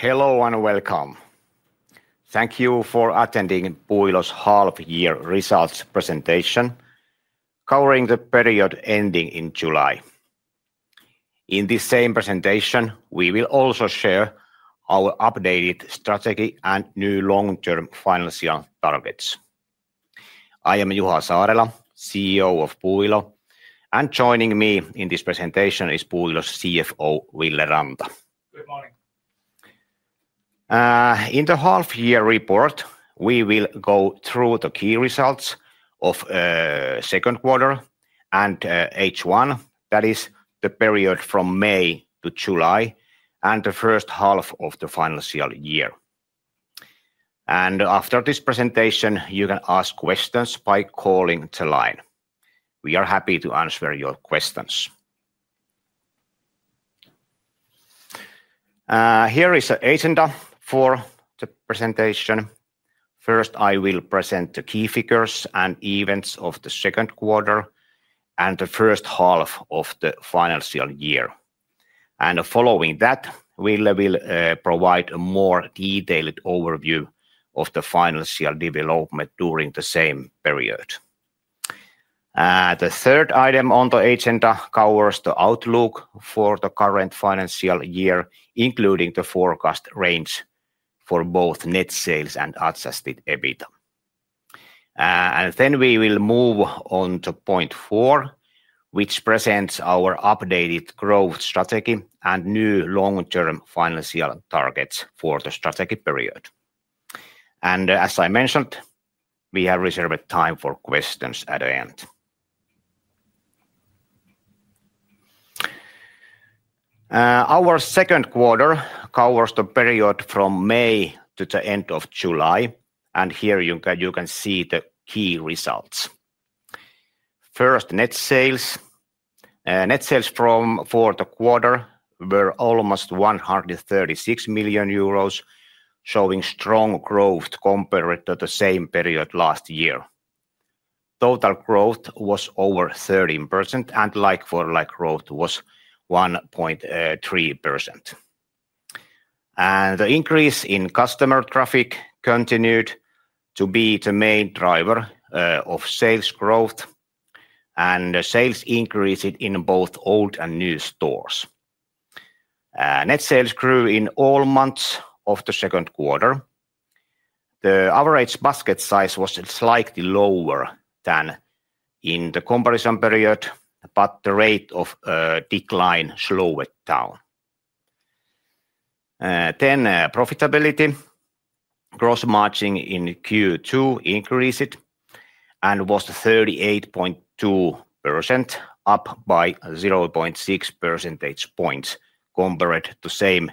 Hello and welcome. Thank you for attending Puuilo Oyj's half-year results presentation covering the period ending in July. In this same presentation, we will also share our updated strategy and new long-term financing targets. I am Juha Saarela, CEO of Puuilo Oyj, and joining me in this presentation is Puuilo Oyj CFO, Ville Ranta. In the half-year report, we will go through the key results of the second quarter and H1, that is the period from May to July, and the first half of the financial year. After this presentation, you can ask questions by calling the line. We are happy to answer your questions. Here is the agenda for the presentation. First, I will present the key figures and events of the second quarter and the first half of the financial year. Following that, Ville will provide a more detailed overview of the financial development during the same period. The third item on the agenda covers the outlook for the current financial year, including the forecast range for both net sales and adjusted EBITDA. We will move on to point four, which presents our updated growth strategy and new long-term financial targets for the strategy period. As I mentioned, we have reserved time for questions at the end. Our second quarter covers the period from May to the end of July, and here you can see the key results. First, net sales. Net sales for the quarter were almost €136 million, showing strong growth compared to the same period last year. Total growth was over 13%, and like-for-like growth was 1.3%. The increase in customer traffic continued to be the main driver of sales growth, and the sales increased in both old and new stores. Net sales grew in all months of the second quarter. The average basket size was slightly lower than in the comparison period, but the rate of decline slowed down. Profitability. Gross margin in Q2 increased and was 38.2%, up by 0.6 percentage points compared to the same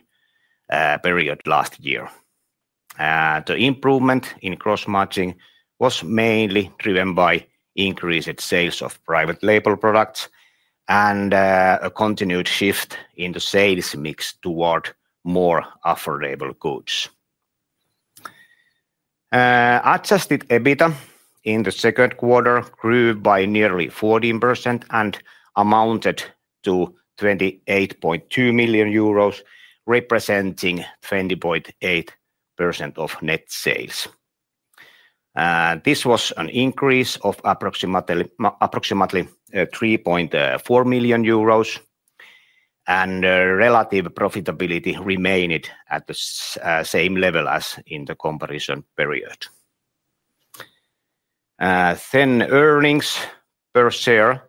period last year. The improvement in gross margin was mainly driven by increased sales of private label products and a continued shift in the sales mix toward more affordable goods. Adjusted EBITDA in the second quarter grew by nearly 14% and amounted to €28.2 million, representing 20.8% of net sales. This was an increase of approximately €3.4 million, and relative profitability remained at the same level as in the comparison period. Earnings per share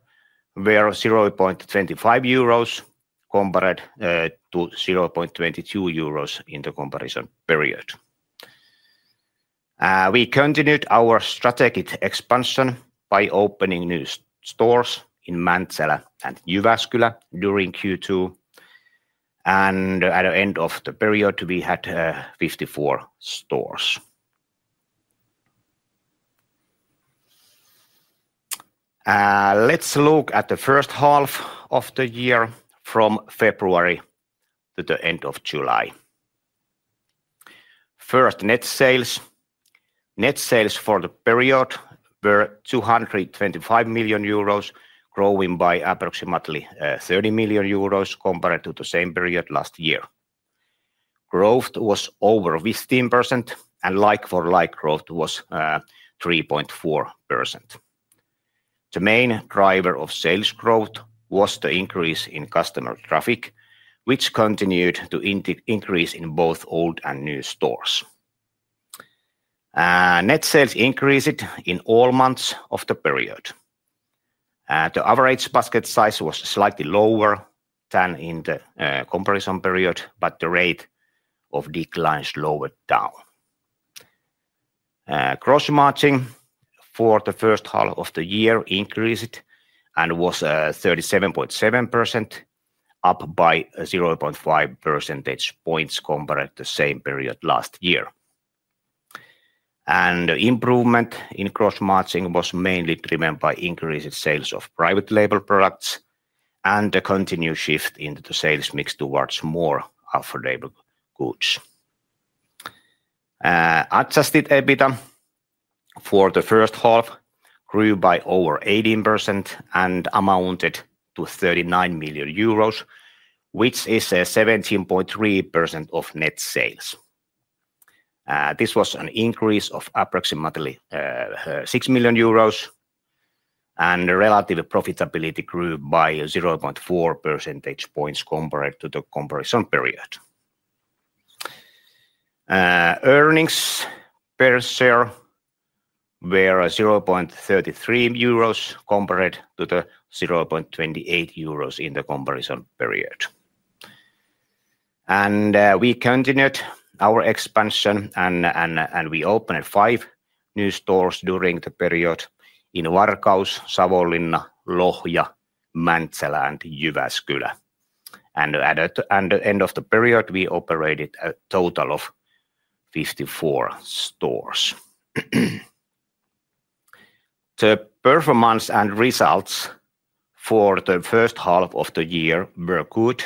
were €0.25 compared to €0.22 in the comparison period. We continued our strategic expansion by opening new stores in Mäntsälä and Jyväskylä during Q2. At the end of the period, we had 54 stores. Let's look at the first half of the year from February to the end of July. First, net sales. Net sales for the period were €225 million, growing by approximately €30 million compared to the same period last year. Growth was over 15%, and like-for-like growth was 3.4%. The main driver of sales growth was the increase in customer traffic, which continued to increase in both old and new stores. Net sales increased in all months of the period. The average basket size was slightly lower than in the comparison period, but the rate of decline slowed it down. Gross margin for the first half of the year increased and was 37.7%, up by 0.5 percentage points compared to the same period last year. The improvement in gross margin was mainly driven by increased sales of private label products and the continued shift in the sales mix towards more affordable goods. Adjusted EBITDA for the first half grew by over 18% and amounted to €39 million, which is 17.3% of net sales. This was an increase of approximately €6 million, and relative profitability grew by 0.4 percentage points compared to the comparison period. Earnings per share were €0.33 compared to €0.28 in the comparison period. We continued our expansion, and we opened five new stores during the period in Varkaus, Savonlinna, Lohja, Mäntsälä, and Jyväskylä. At the end of the period, we operated a total of 54 stores. The performance and results for the first half of the year were good,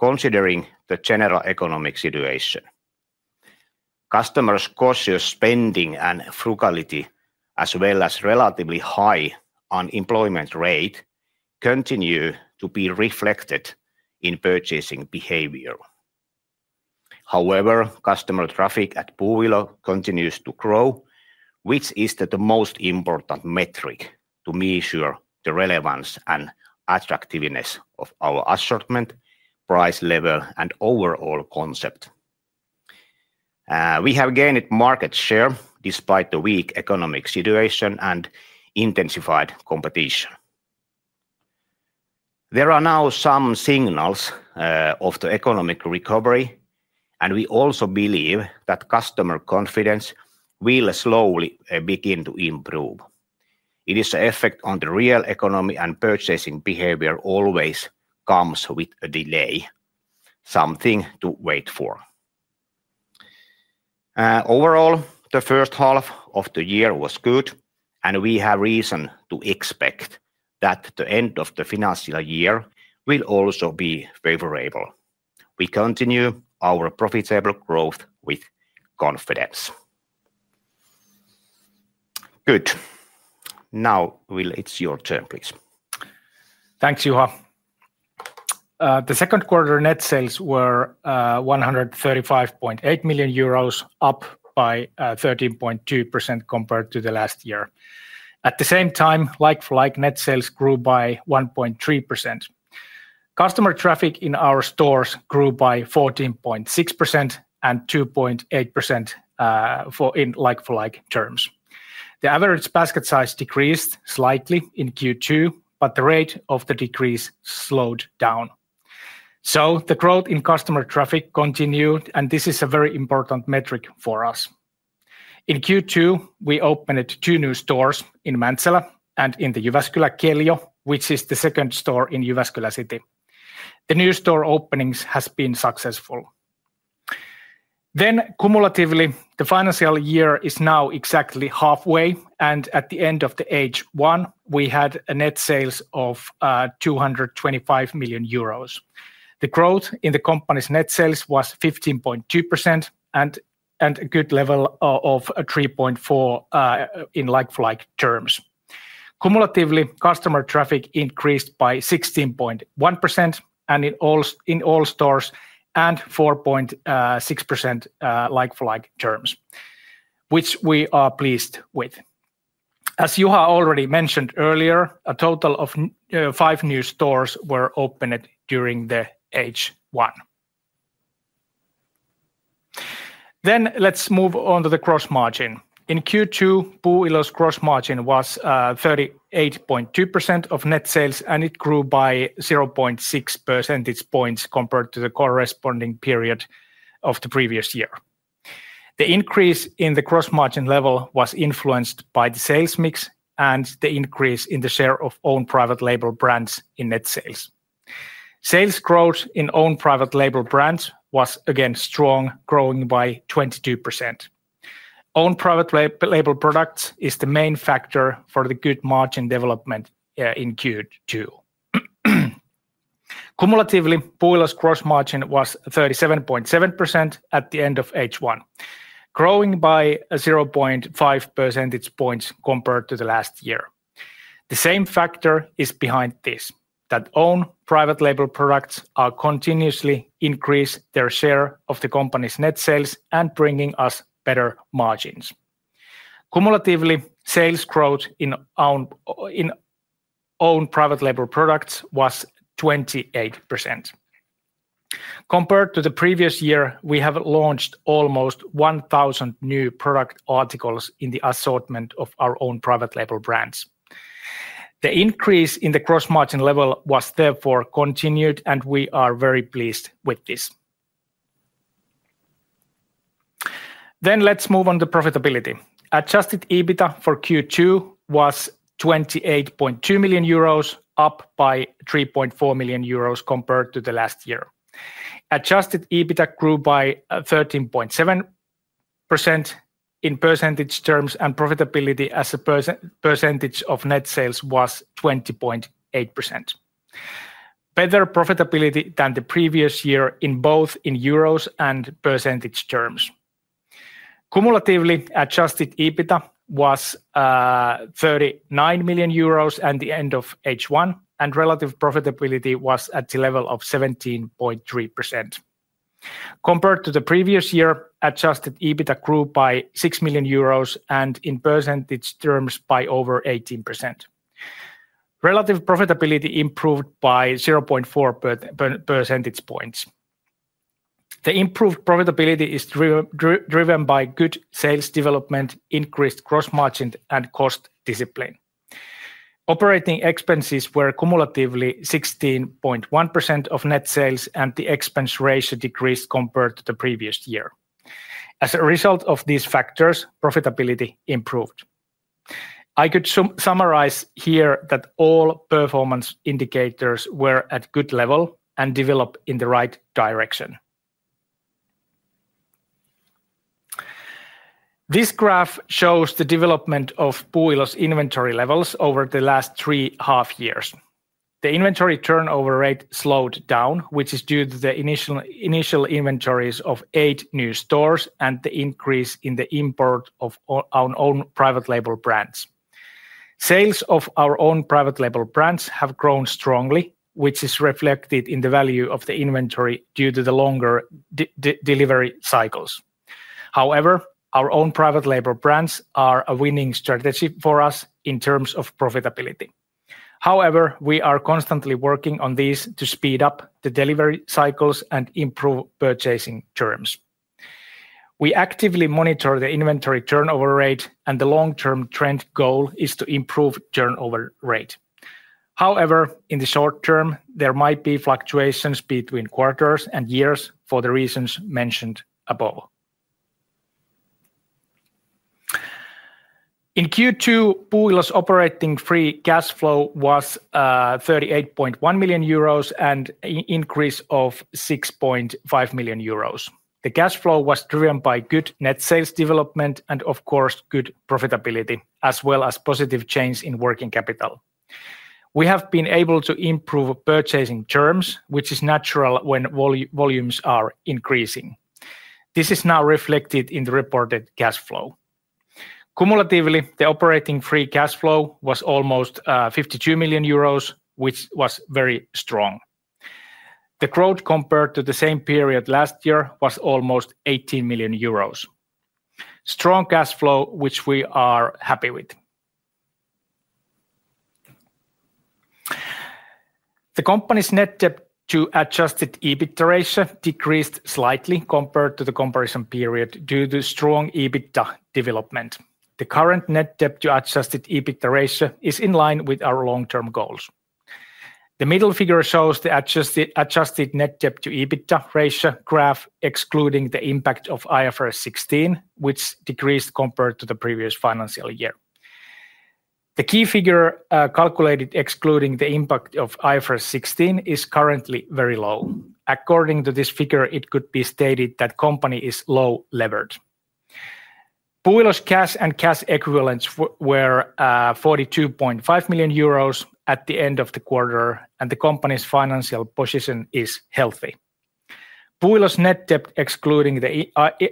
considering the general economic situation. Customers' cautious spending and frugality, as well as a relatively high unemployment rate, continue to be reflected in purchasing behavior. However, customer traffic at Puuilo continues to grow, which is the most important metric to measure the relevance and attractiveness of our assortment, price level, and overall concept. We have gained market share despite the weak economic situation and intensified competition. There are now some signals of the economic recovery, and we also believe that customer confidence will slowly begin to improve. It is the effect on the real economy, and purchasing behavior always comes with a delay, something to wait for. Overall, the first half of the year was good, and we have reason to expect that the end of the financial year will also be favorable. We continue our profitable growth with confidence. Good. Now, Ville, it's your turn, please. Thanks, Juha. The second quarter net sales were €135.8 million, up by 13.2% compared to the last year. At the same time, like-for-like net sales grew by 1.3%. Customer traffic in our stores grew by 14.6% and 2.8% in like-for-like terms. The average basket size decreased slightly in Q2, but the rate of the decrease slowed down. The growth in customer traffic continued, and this is a very important metric for us. In Q2, we opened two new stores in Mäntsälä and in the Jyväskylä Keljo, which is the second store in Jyväskylä city. The new store openings have been successful. Cumulatively, the financial year is now exactly halfway, and at the end of H1, we had net sales of €225 million. The growth in the company's net sales was 15.2% and a good level of 3.4% in like-for-like terms. Cumulatively, customer traffic increased by 16.1% in all stores and 4.6% in like-for-like terms, which we are pleased with. As Juha already mentioned earlier, a total of five new stores were opened during H1. Let's move on to the gross margin. In Q2, Puuilo's gross margin was 38.2% of net sales, and it grew by 0.6 percentage points compared to the corresponding period of the previous year. The increase in the gross margin level was influenced by the sales mix and the increase in the share of owned private label products in net sales. Sales growth in owned private label products was again strong, growing by 22%. Owned private label products are the main factor for the good margin development in Q2. Cumulatively, Puuilo's gross margin was 37.7% at the end of H1, growing by 0.5 percentage points compared to the last year. The same factor is behind this, that owned private label products are continuously increasing their share of the company's net sales and bringing us better margins. Cumulatively, sales growth in owned private label products was 28%. Compared to the previous year, we have launched almost 1,000 new product articles in the assortment of our owned private label products. The increase in the gross margin level was therefore continued, and we are very pleased with this. Let's move on to profitability. Adjusted EBITDA for Q2 was €28.2 million, up by €3.4 million compared to the last year. Adjusted EBITDA grew by 13.7% in percentage terms, and profitability as a percentage of net sales was 20.8%. Better profitability than the previous year in both euros and percentage terms. Cumulatively, adjusted EBITDA was €39 million at the end of H1, and relative profitability was at the level of 17.3%. Compared to the previous year, adjusted EBITDA grew by €6 million and in percentage terms by over 18%. Relative profitability improved by 0.4 percentage points. The improved profitability is driven by good sales development, increased gross margin, and cost discipline. Operating expenses were cumulatively 16.1% of net sales, and the expense ratio decreased compared to the previous year. As a result of these factors, profitability improved. I could summarize here that all performance indicators were at good level and developed in the right direction. This graph shows the development of Puuilo Oyj's inventory levels over the last three half years. The inventory turnover rate slowed down, which is due to the initial inventories of eight new stores and the increase in the import of our owned private label products. Sales of our owned private label products have grown strongly, which is reflected in the value of the inventory due to the longer delivery cycles. However, our owned private label products are a winning strategy for us in terms of profitability. However, we are constantly working on these to speed up the delivery cycles and improve purchasing terms. We actively monitor the inventory turnover rate, and the long-term trend goal is to improve turnover rate. However, in the short term, there might be fluctuations between quarters and years for the reasons mentioned above. In Q2, Puuilo Oyj's operating free cash flow was €38.1 million and an increase of €6.5 million. The cash flow was driven by good net sales development and, of course, good profitability, as well as positive change in working capital. We have been able to improve purchasing terms, which is natural when volumes are increasing. This is now reflected in the reported cash flow. Cumulatively, the operating free cash flow was almost €52 million, which was very strong. The growth compared to the same period last year was almost €18 million. Strong cash flow, which we are happy with. The company's net debt to adjusted EBITDA ratio decreased slightly compared to the comparison period due to strong EBITDA development. The current net debt to adjusted EBITDA ratio is in line with our long-term goals. The middle figure shows the adjusted net debt to EBITDA ratio graph excluding the impact of IFRS 16, which decreased compared to the previous financial year. The key figure calculated excluding the impact of IFRS 16 is currently very low. According to this figure, it could be stated that the company is low levered. Puuilo's cash and cash equivalents were €42.5 million at the end of the quarter, and the company's financial position is healthy. Puuilo's net debt excluding the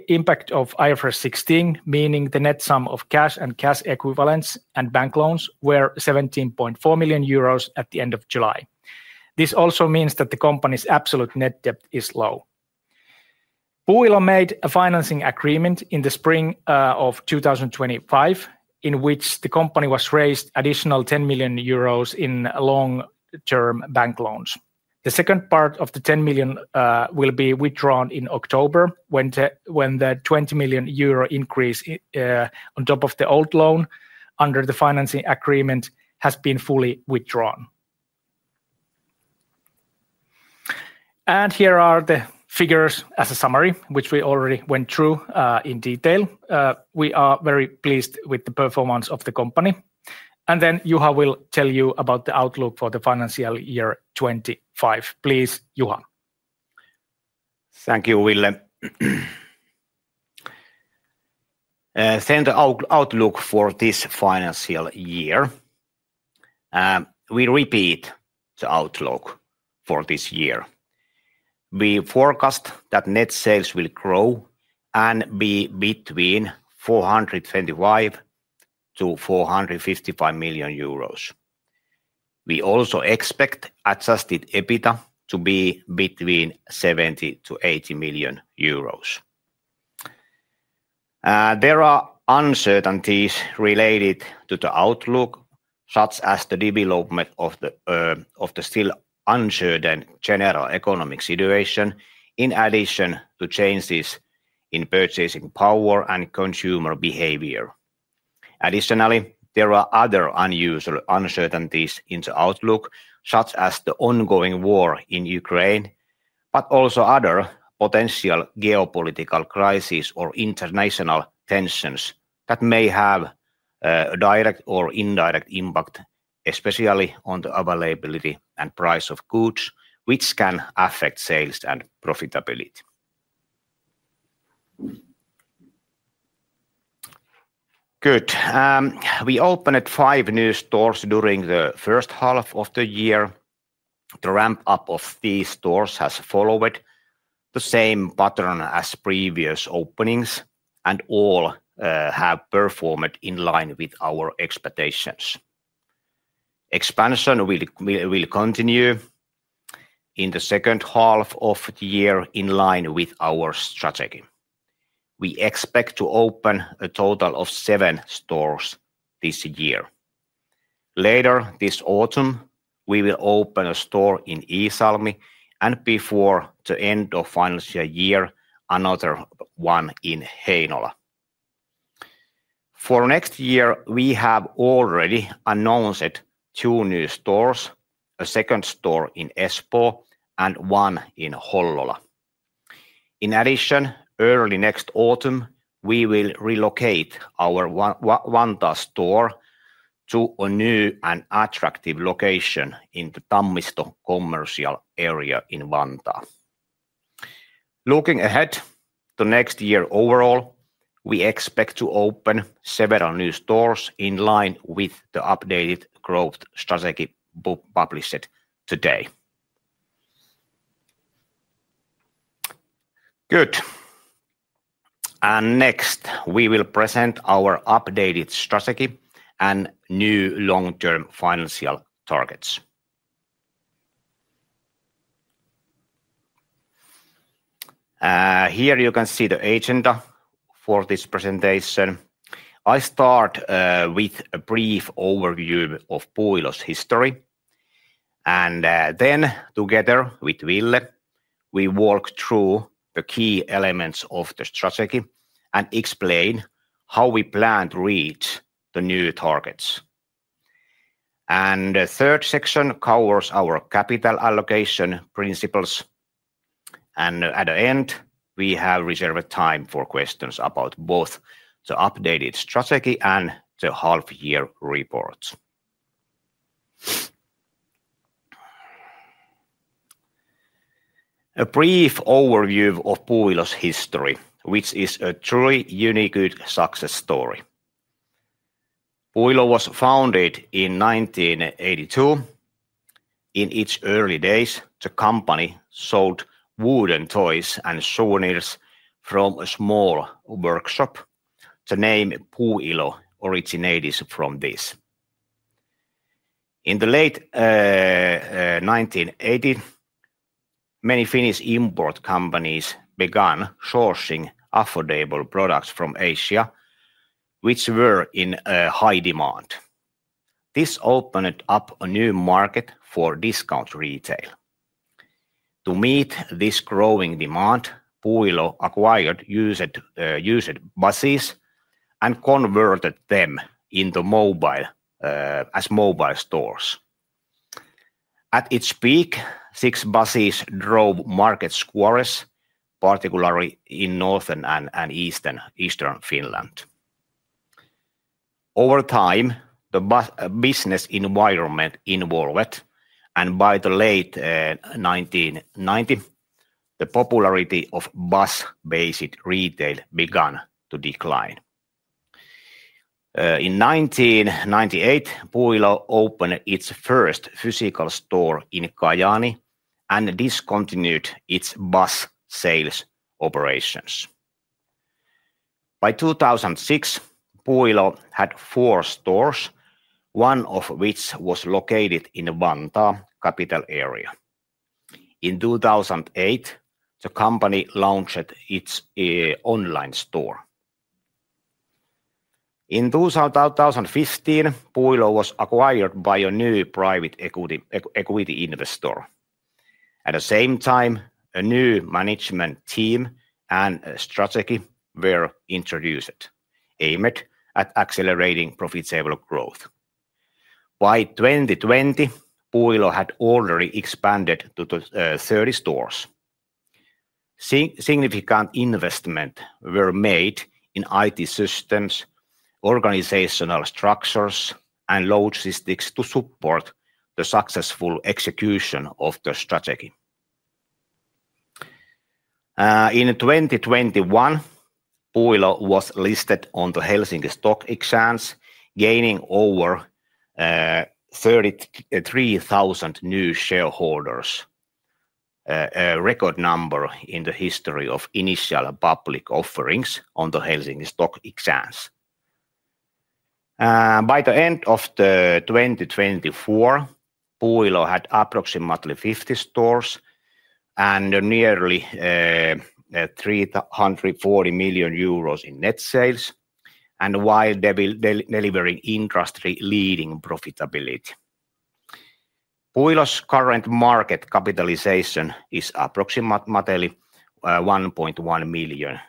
impact of IFRS 16, meaning the net sum of cash and cash equivalents and bank loans, was €17.4 million at the end of July. This also means that the company's absolute net debt is low. Puuilo made a financing agreement in the spring of 2025, in which the company was raised an additional €10 million in long-term bank loans. The second part of the €10 million will be withdrawn in October, when the €20 million increase on top of the old loan under the financing agreement has been fully withdrawn. Here are the figures as a summary, which we already went through in detail. We are very pleased with the performance of the company. Juha will tell you about the outlook for the financial year 2025. Please, Juha. Thank you, Ville. The outlook for this financial year: we repeat the outlook for this year. We forecast that net sales will grow and be between €425 million to €455 million. We also expect adjusted EBITDA to be between €70 million to €80 million. There are uncertainties related to the outlook, such as the development of the still uncertain general economic situation, in addition to changes in purchasing power and consumer behavior. Additionally, there are other unusual uncertainties in the outlook, such as the ongoing war in Ukraine, but also other potential geopolitical crises or international tensions that may have a direct or indirect impact, especially on the availability and price of goods, which can affect sales and profitability. We opened five new stores during the first half of the year. The ramp-up of these stores has followed the same pattern as previous openings, and all have performed in line with our expectations. Expansion will continue in the second half of the year, in line with our strategy. We expect to open a total of seven stores this year. Later, this autumn, we will open a store in Iisalmi, and before the end of the financial year, another one in Heinola. For next year, we have already announced two new stores: a second store in Espoo and one in Hollola. In addition, early next autumn, we will relocate our Vantaa store to a new and attractive location in the Tammisto commercial area in Vantaa. Looking ahead to next year overall, we expect to open several new stores in line with the updated growth strategy published today. Next, we will present our updated strategy and new long-term financial targets. Here you can see the agenda for this presentation. I start with a brief overview of Puuilo's history, and then, together with Ville, we work through the key elements of the strategy and explain how we plan to reach the new targets. The third section covers our capital allocation principles, and at the end, we have reserved time for questions about both the updated strategy and the half-year reports. A brief overview of Puuilo's history, which is a truly unique success story. Puuilo was founded in 1982. In its early days, the company sold wooden toys and souvenirs from a small workshop. The name Puuilo originated from this. In the late 1980s, many Finnish import companies began sourcing affordable products from Asia, which were in high demand. This opened up a new market for discount retail. To meet this growing demand, Puuilo acquired used buses and converted them into mobile stores. At its peak, six buses drove market squares, particularly in northern and eastern Finland. Over time, the bus business environment evolved, and by the late 1990s, the popularity of bus-based retail began to decline. In 1998, Puuilo opened its first physical store in Kajaani, and this continued its bus sales operations. By 2006, Puuilo had four stores, one of which was located in Vantaa, the capital area. In 2008, the company launched its online store. In 2015, Puuilo was acquired by a new private equity investor. At the same time, a new management team and strategy were introduced, aimed at accelerating profitable growth. By 2020, Puuilo had already expanded to 30 stores. Significant investments were made in IT systems, organizational structures, and logistics to support the successful execution of the strategy. In 2021, Puuilo was listed on the Helsinki Stock Exchange, gaining over 33,000 new shareholders, a record number in the history of initial public offerings on the Helsinki Stock Exchange. By the end of 2024, Puuilo had approximately 50 stores and nearly €340 million in net sales, while delivering industry-leading profitability. Puuilo's current market capitalization is approximately €1.1 billion.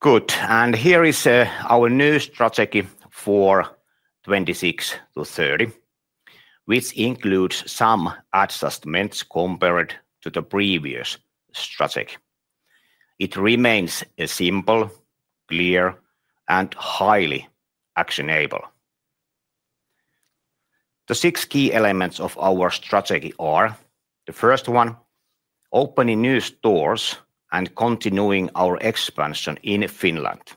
Good. Here is our new strategy for 2026 to 2030, which includes some adjustments compared to the previous strategy. It remains a simple, clear, and highly actionable strategy. The six key elements of our strategy are: the first one, opening new stores and continuing our expansion in Finland.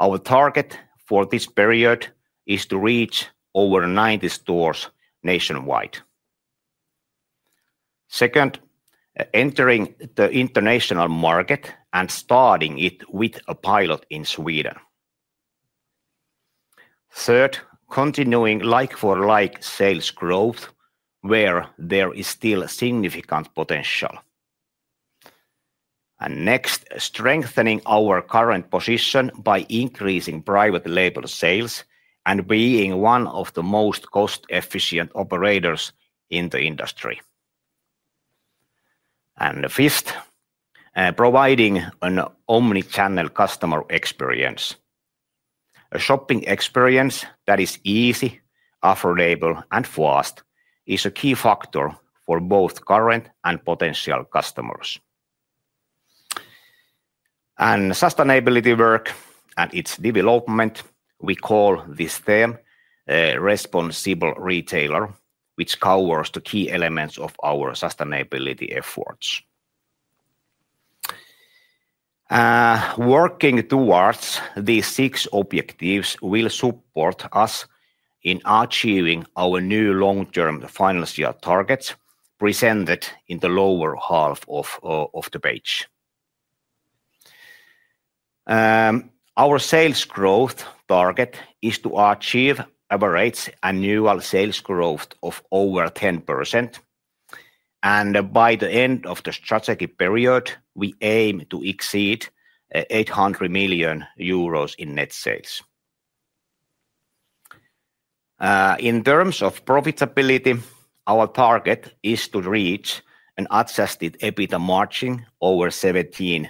Our target for this period is to reach over 90 stores nationwide. Second, entering the international market and starting it with a pilot in Sweden. Third, continuing like-for-like sales growth, where there is still significant potential. Next, strengthening our current position by increasing private label sales and being one of the most cost-efficient operators in the industry. Fifth, providing an omnichannel customer experience. A shopping experience that is easy, affordable, and fast is a key factor for both current and potential customers. Sustainability work and its development, we call this theme a responsible retailer, which covers the key elements of our sustainability efforts. Working towards these six objectives will support us in achieving our new long-term financial targets presented in the lower half of the page. Our sales growth target is to achieve an annual sales growth of over 10%. By the end of the strategy period, we aim to exceed €800 million in net sales. In terms of profitability, our target is to reach an adjusted EBITDA margin over 17%,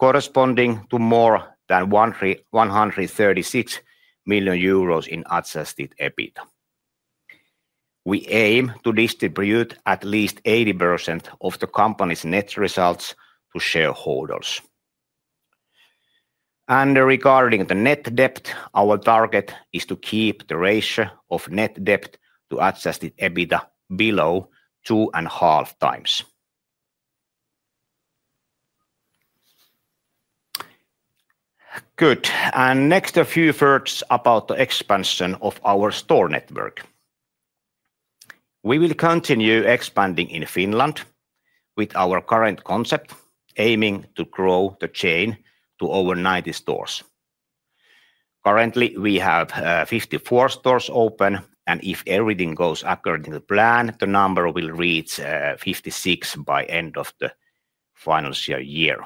corresponding to more than €136 million in adjusted EBITDA. We aim to distribute at least 80% of the company's net results to shareholders. Regarding the net debt, our target is to keep the ratio of net debt to adjusted EBITDA below 2.5 times. Good. Next, a few words about the expansion of our store network. We will continue expanding in Finland with our current concept, aiming to grow the chain to over 90 stores. Currently, we have 54 stores open, and if everything goes according to plan, the number will reach 56 by the end of the financial year.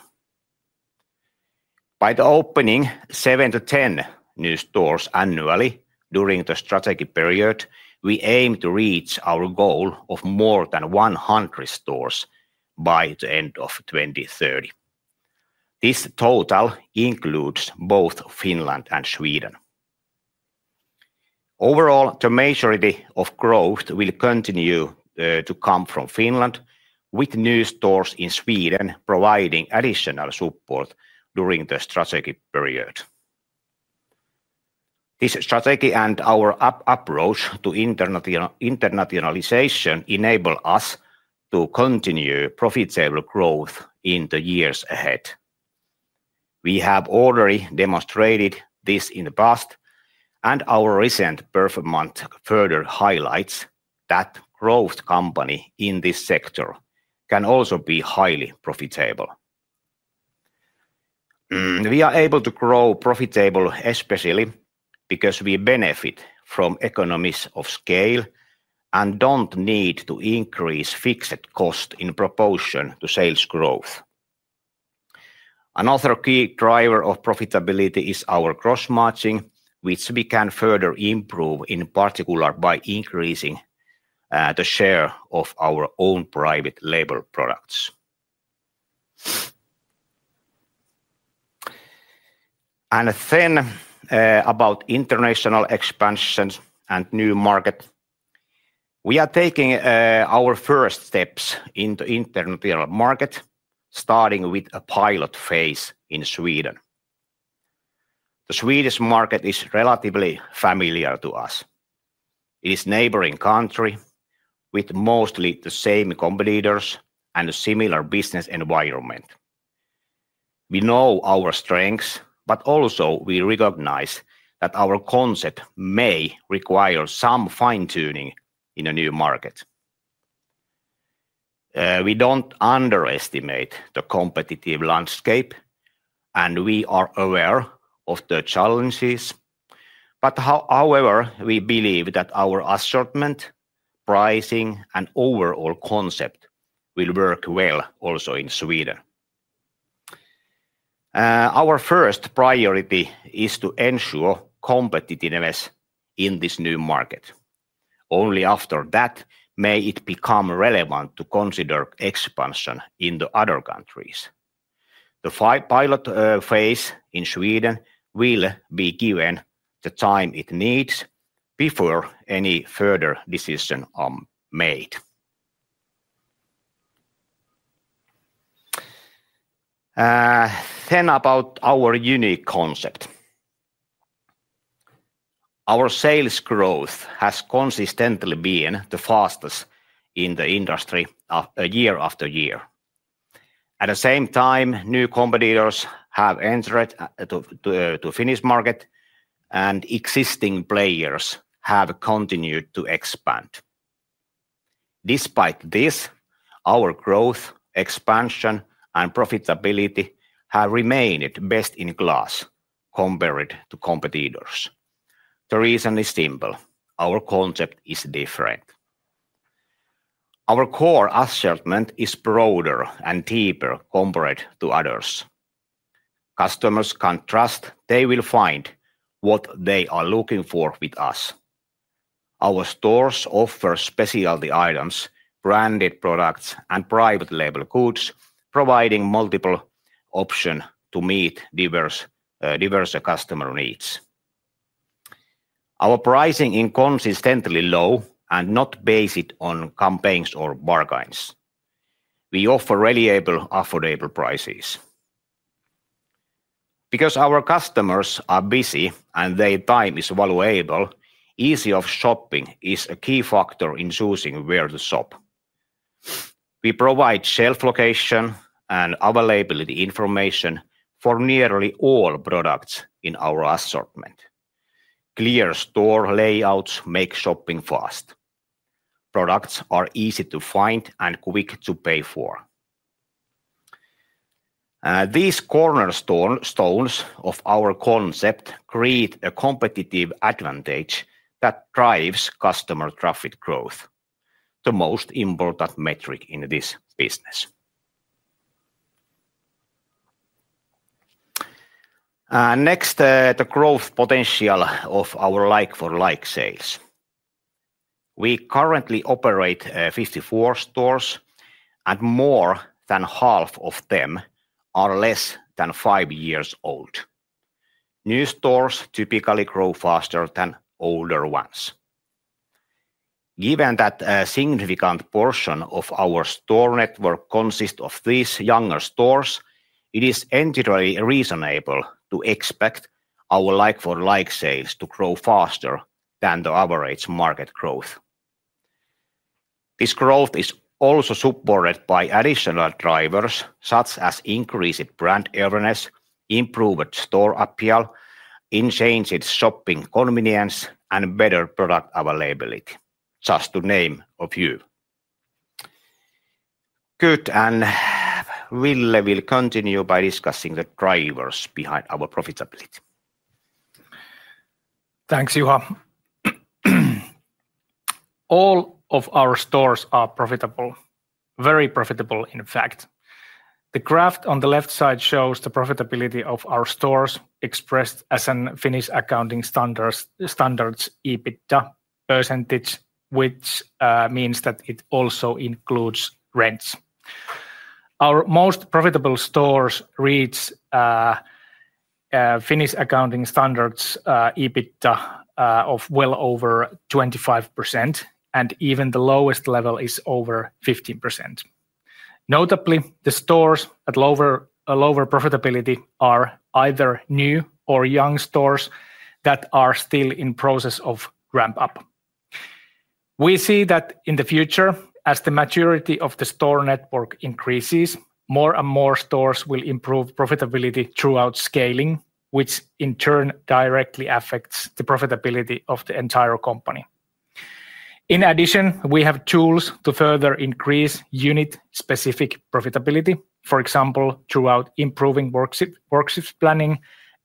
By the opening of seven to ten new stores annually during the strategy period, we aim to reach our goal of more than 100 stores by the end of 2030. This total includes both Finland and Sweden. Overall, the majority of growth will continue to come from Finland, with new stores in Sweden providing additional support during the strategy period. This strategy and our approach to internationalization enable us to continue profitable growth in the years ahead. We have already demonstrated this in the past, and our recent performance further highlights that growth companies in this sector can also be highly profitable. We are able to grow profitably especially because we benefit from economies of scale and do not need to increase fixed costs in proportion to sales growth. Another key driver of profitability is our gross margin, which we can further improve, in particular by increasing the share of our owned private label products. Then about international expansion and new markets, we are taking our first steps in the international market, starting with a pilot phase in Sweden. The Swedish market is relatively familiar to us. It is a neighboring country with mostly the same competitors and a similar business environment. We know our strengths, but also we recognize that our concept may require some fine-tuning in a new market. We do not underestimate the competitive landscape, and we are aware of the challenges. However, we believe that our assortment, pricing, and overall concept will work well also in Sweden. Our first priority is to ensure competitiveness in this new market. Only after that may it become relevant to consider expansion into other countries. The pilot phase in Sweden will be given the time it needs before any further decisions are made. About our unique concept, our sales growth has consistently been the fastest in the industry year after year. At the same time, new competitors have entered the Finnish market, and existing players have continued to expand. Despite this, our growth, expansion, and profitability have remained best-in-class compared to competitors. The reason is simple: our concept is different. Our core assortment is broader and deeper compared to others. Customers can trust they will find what they are looking for with us. Our stores offer specialty items, branded products, and private label products, providing multiple options to meet diverse customer needs. Our pricing is consistently low and not based on campaigns or bargains. We offer reliable, affordable prices. Because our customers are busy and their time is valuable, ease of shopping is a key factor in choosing where to shop. We provide shelf location and availability information for nearly all products in our assortment. Clear store layouts make shopping fast. Products are easy to find and quick to pay for. These cornerstones of our concept create a competitive advantage that drives customer traffic growth, the most important metric in this business. Next, the growth potential of our like-for-like sales. We currently operate 54 stores, and more than half of them are less than five years old. New stores typically grow faster than older ones. Given that a significant portion of our store network consists of these younger stores, it is entirely reasonable to expect our like-for-like sales to grow faster than the average market growth. This growth is also supported by additional drivers, such as increased brand awareness, improved store appeal, enhanced shopping convenience, and better product availability, just to name a few. Good. Ville will continue by discussing the drivers behind our profitability. Thanks, Juha. All of our stores are profitable, very profitable, in fact. The graph on the left side shows the profitability of our stores expressed as a Finnish accounting standard's EBITDA percentage, which means that it also includes rents. Our most profitable stores reach Finnish accounting standard's EBITDA of well over 25%, and even the lowest level is over 15%. Notably, the stores at lower profitability are either new or young stores that are still in the process of ramp-up. We see that in the future, as the maturity of the store network increases, more and more stores will improve profitability throughout scaling, which in turn directly affects the profitability of the entire company. In addition, we have tools to further increase unit-specific profitability, for example, throughout improving workshops planning,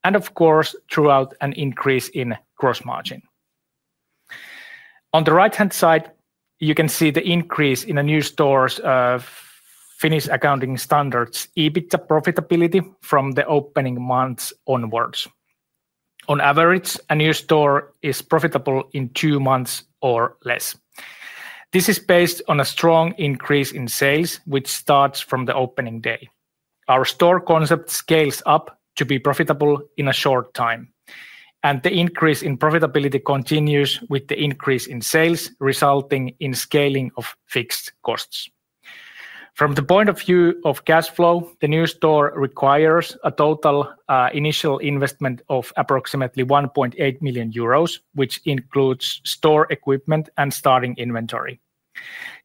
and of course, throughout an increase in gross margin. On the right-hand side, you can see the increase in the new stores' Finnish accounting standard's EBITDA profitability from the opening months onwards. On average, a new store is profitable in two months or less. This is based on a strong increase in sales, which starts from the opening day. Our store concept scales up to be profitable in a short time, and the increase in profitability continues with the increase in sales, resulting in scaling of fixed costs. From the point of view of cash flow, the new store requires a total initial investment of approximately €1.8 million, which includes store equipment and starting inventory.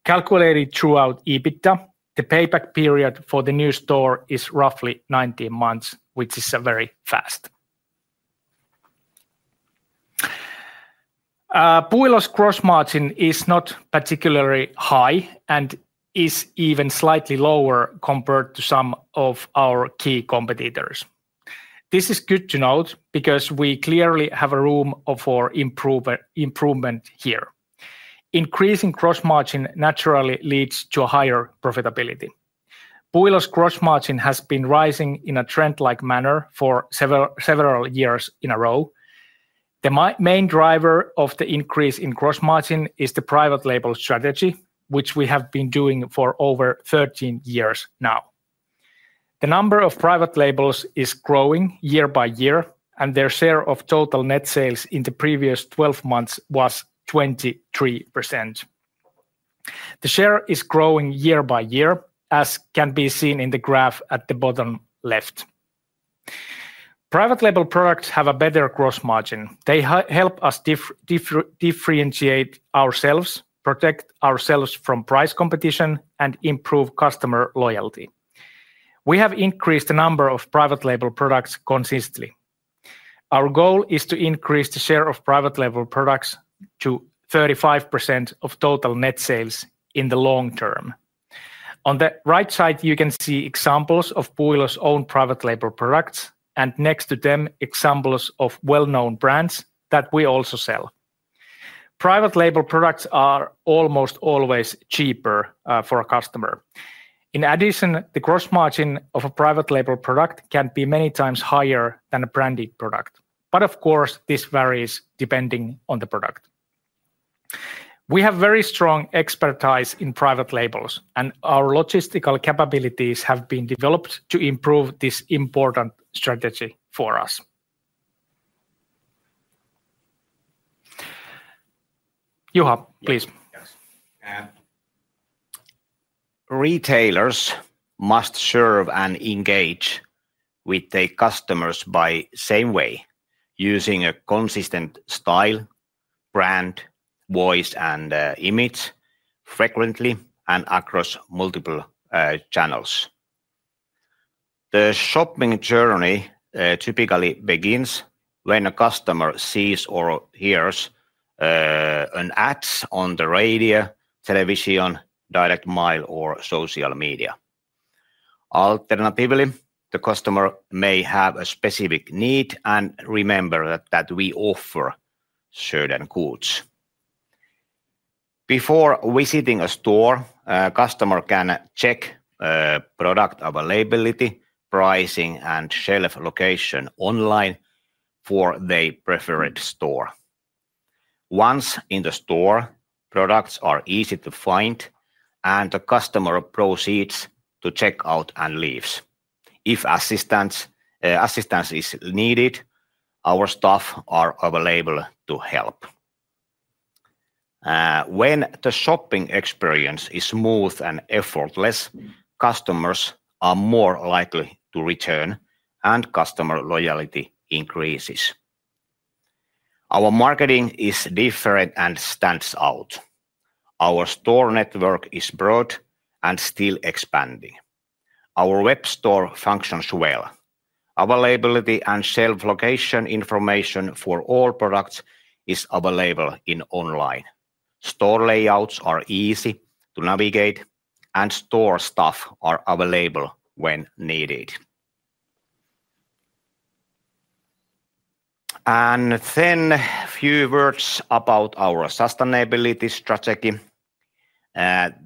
Calculated throughout EBITDA, the payback period for the new store is roughly 19 months, which is very fast. Puuilo Oyj's gross margin is not particularly high and is even slightly lower compared to some of our key competitors. This is good to note because we clearly have room for improvement here. Increasing gross margin naturally leads to a higher profitability. Puuilo Oyj's gross margin has been rising in a trend-like manner for several years in a row. The main driver of the increase in gross margin is the private label strategy, which we have been doing for over 13 years now. The number of private labels is growing year by year, and their share of total net sales in the previous 12 months was 23%. The share is growing year by year, as can be seen in the graph at the bottom left. Private label products have a better gross margin. They help us differentiate ourselves, protect ourselves from price competition, and improve customer loyalty. We have increased the number of private label products consistently. Our goal is to increase the share of private label products to 35% of total net sales in the long term. On the right side, you can see examples of Puuilo's own private label products, and next to them, examples of well-known brands that we also sell. Private label products are almost always cheaper for a customer. In addition, the gross margin of a private label product can be many times higher than a branded product. Of course, this varies depending on the product. We have very strong expertise in private labels, and our logistical capabilities have been developed to improve this important strategy for us. Juha, please. Retailers must serve and engage with their customers in the same way, using a consistent style, brand, voice, and image frequently and across multiple channels. The shopping journey typically begins when a customer sees or hears an ad on the radio, television, direct mail, or social media. Alternatively, the customer may have a specific need and remember that we offer certain goods. Before visiting a store, a customer can check product availability, pricing, and shelf location online for their preferred store. Once in the store, products are easy to find, and the customer proceeds to check out and leave. If assistance is needed, our staff are available to help. When the shopping experience is smooth and effortless, customers are more likely to return, and customer loyalty increases. Our marketing is different and stands out. Our store network is broad and still expanding. Our web store functions well. Availability and shelf location information for all products is available online. Store layouts are easy to navigate, and store staff are available when needed. A few words about our sustainability strategy.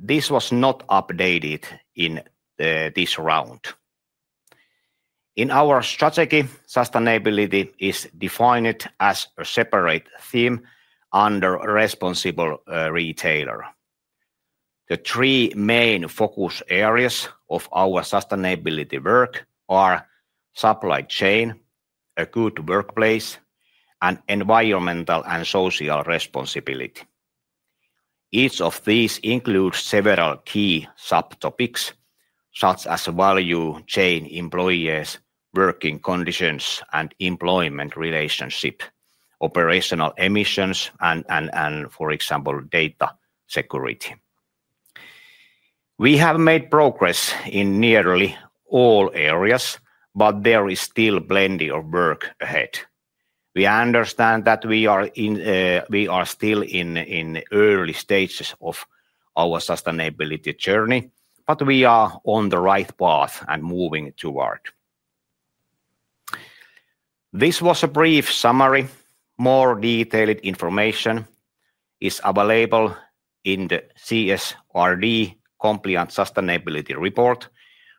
This was not updated in this round. In our strategy, sustainability is defined as a separate theme under a responsible retailer. The three main focus areas of our sustainability work are supply chain, a good workplace, and environmental and social responsibility. Each of these includes several key subtopics, such as value chain, employees, working conditions and employment relationships, operational emissions, and, for example, data security. We have made progress in nearly all areas, but there is still plenty of work ahead. We understand that we are still in the early stages of our sustainability journey, but we are on the right path and moving forward. This was a brief summary. More detailed information is available in the CSRD compliant sustainability report,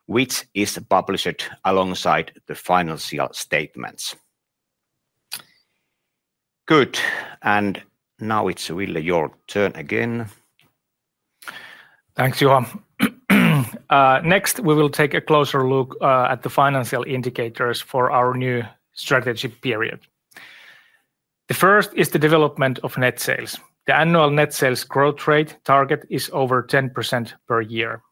which is published alongside the financial statements. Good. Now it's really your turn again. Thanks, Juha. Next, we will take a closer look at the financial indicators for our new strategy period. The first is the development of net sales. The annual net sales growth rate target is over 10% per year.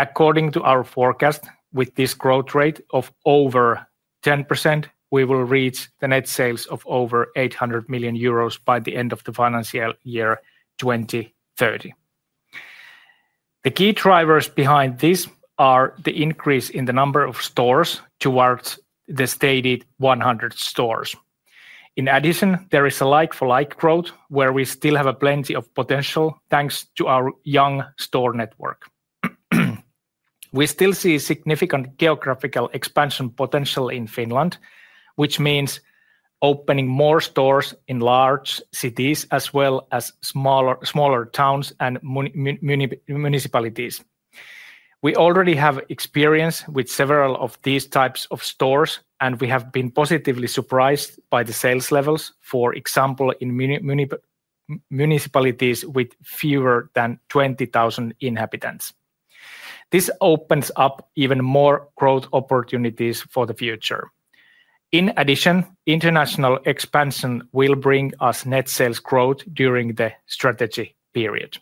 According to our forecast, with this growth rate of over 10%, we will reach the net sales of over €800 million by the end of the financial year 2030. The key drivers behind this are the increase in the number of stores towards the stated 100 stores. In addition, there is a like-for-like growth, where we still have plenty of potential thanks to our young store network. We still see significant geographical expansion potential in Finland, which means opening more stores in large cities as well as smaller towns and municipalities. We already have experience with several of these types of stores, and we have been positively surprised by the sales levels, for example, in municipalities with fewer than 20,000 inhabitants. This opens up even more growth opportunities for the future. In addition, international expansion will bring us net sales growth during the strategy period.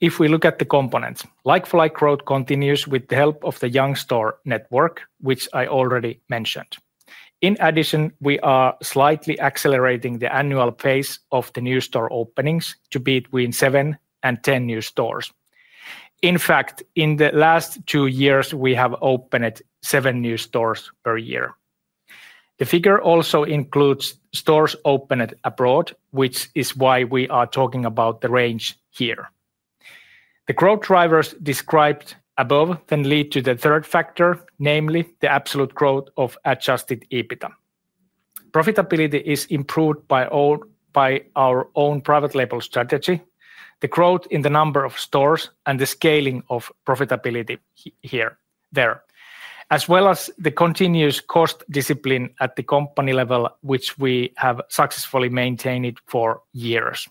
If we look at the components, like-for-like growth continues with the help of the young store network, which I already mentioned. In addition, we are slightly accelerating the annual phase of the new store openings to be between seven and ten new stores. In fact, in the last two years, we have opened seven new stores per year. The figure also includes stores opened abroad, which is why we are talking about the range here. The growth drivers described above then lead to the third factor, namely the absolute growth of adjusted EBITDA. Profitability is improved by our own private label strategy, the growth in the number of stores, and the scaling of profitability here, there, as well as the continuous cost discipline at the company level, which we have successfully maintained for years.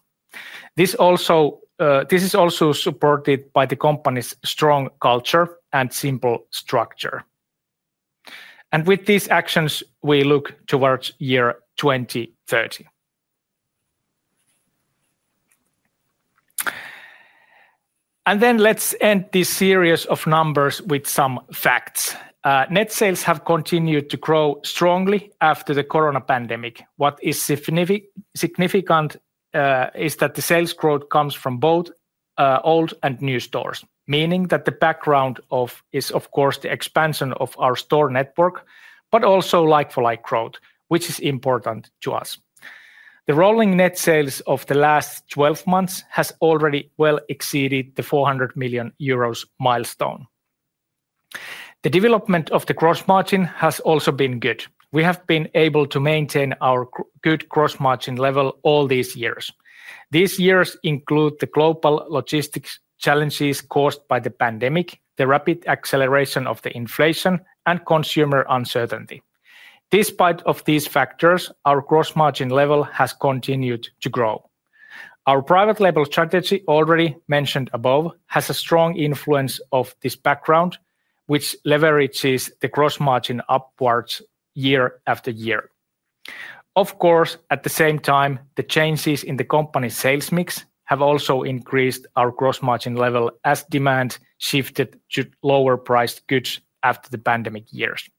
This is also supported by the company's strong culture and simple structure. With these actions, we look towards year 2030. Let's end this series of numbers with some facts. Net sales have continued to grow strongly after the corona pandemic. What is significant is that the sales growth comes from both old and new stores, meaning that the background is, of course, the expansion of our store network, but also like-for-like growth, which is important to us. The rolling net sales of the last 12 months has already well exceeded the €400 million milestone. The development of the gross margin has also been good. We have been able to maintain our good gross margin level all these years. These years include the global logistics challenges caused by the pandemic, the rapid acceleration of the inflation, and consumer uncertainty. Despite these factors, our gross margin level has continued to grow. Our private label strategy already mentioned above has a strong influence on this background, which leverages the gross margin upwards year after year. Of course, at the same time, the changes in the company's sales mix have also increased our gross margin level as demand shifted to lower-priced goods after the pandemic years.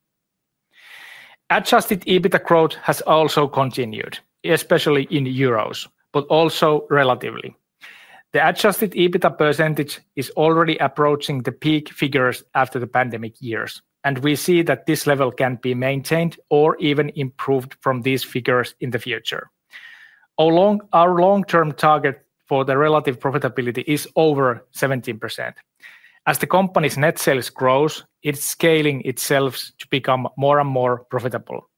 Adjusted EBITDA growth has also continued, especially in euros, but also relatively. The adjusted EBITDA percentage is already approaching the peak figures after the pandemic years, and we see that this level can be maintained or even improved from these figures in the future. Our long-term target for the relative profitability is over 17%. As the company's net sales grow, it's scaling itself to become more and more profitable.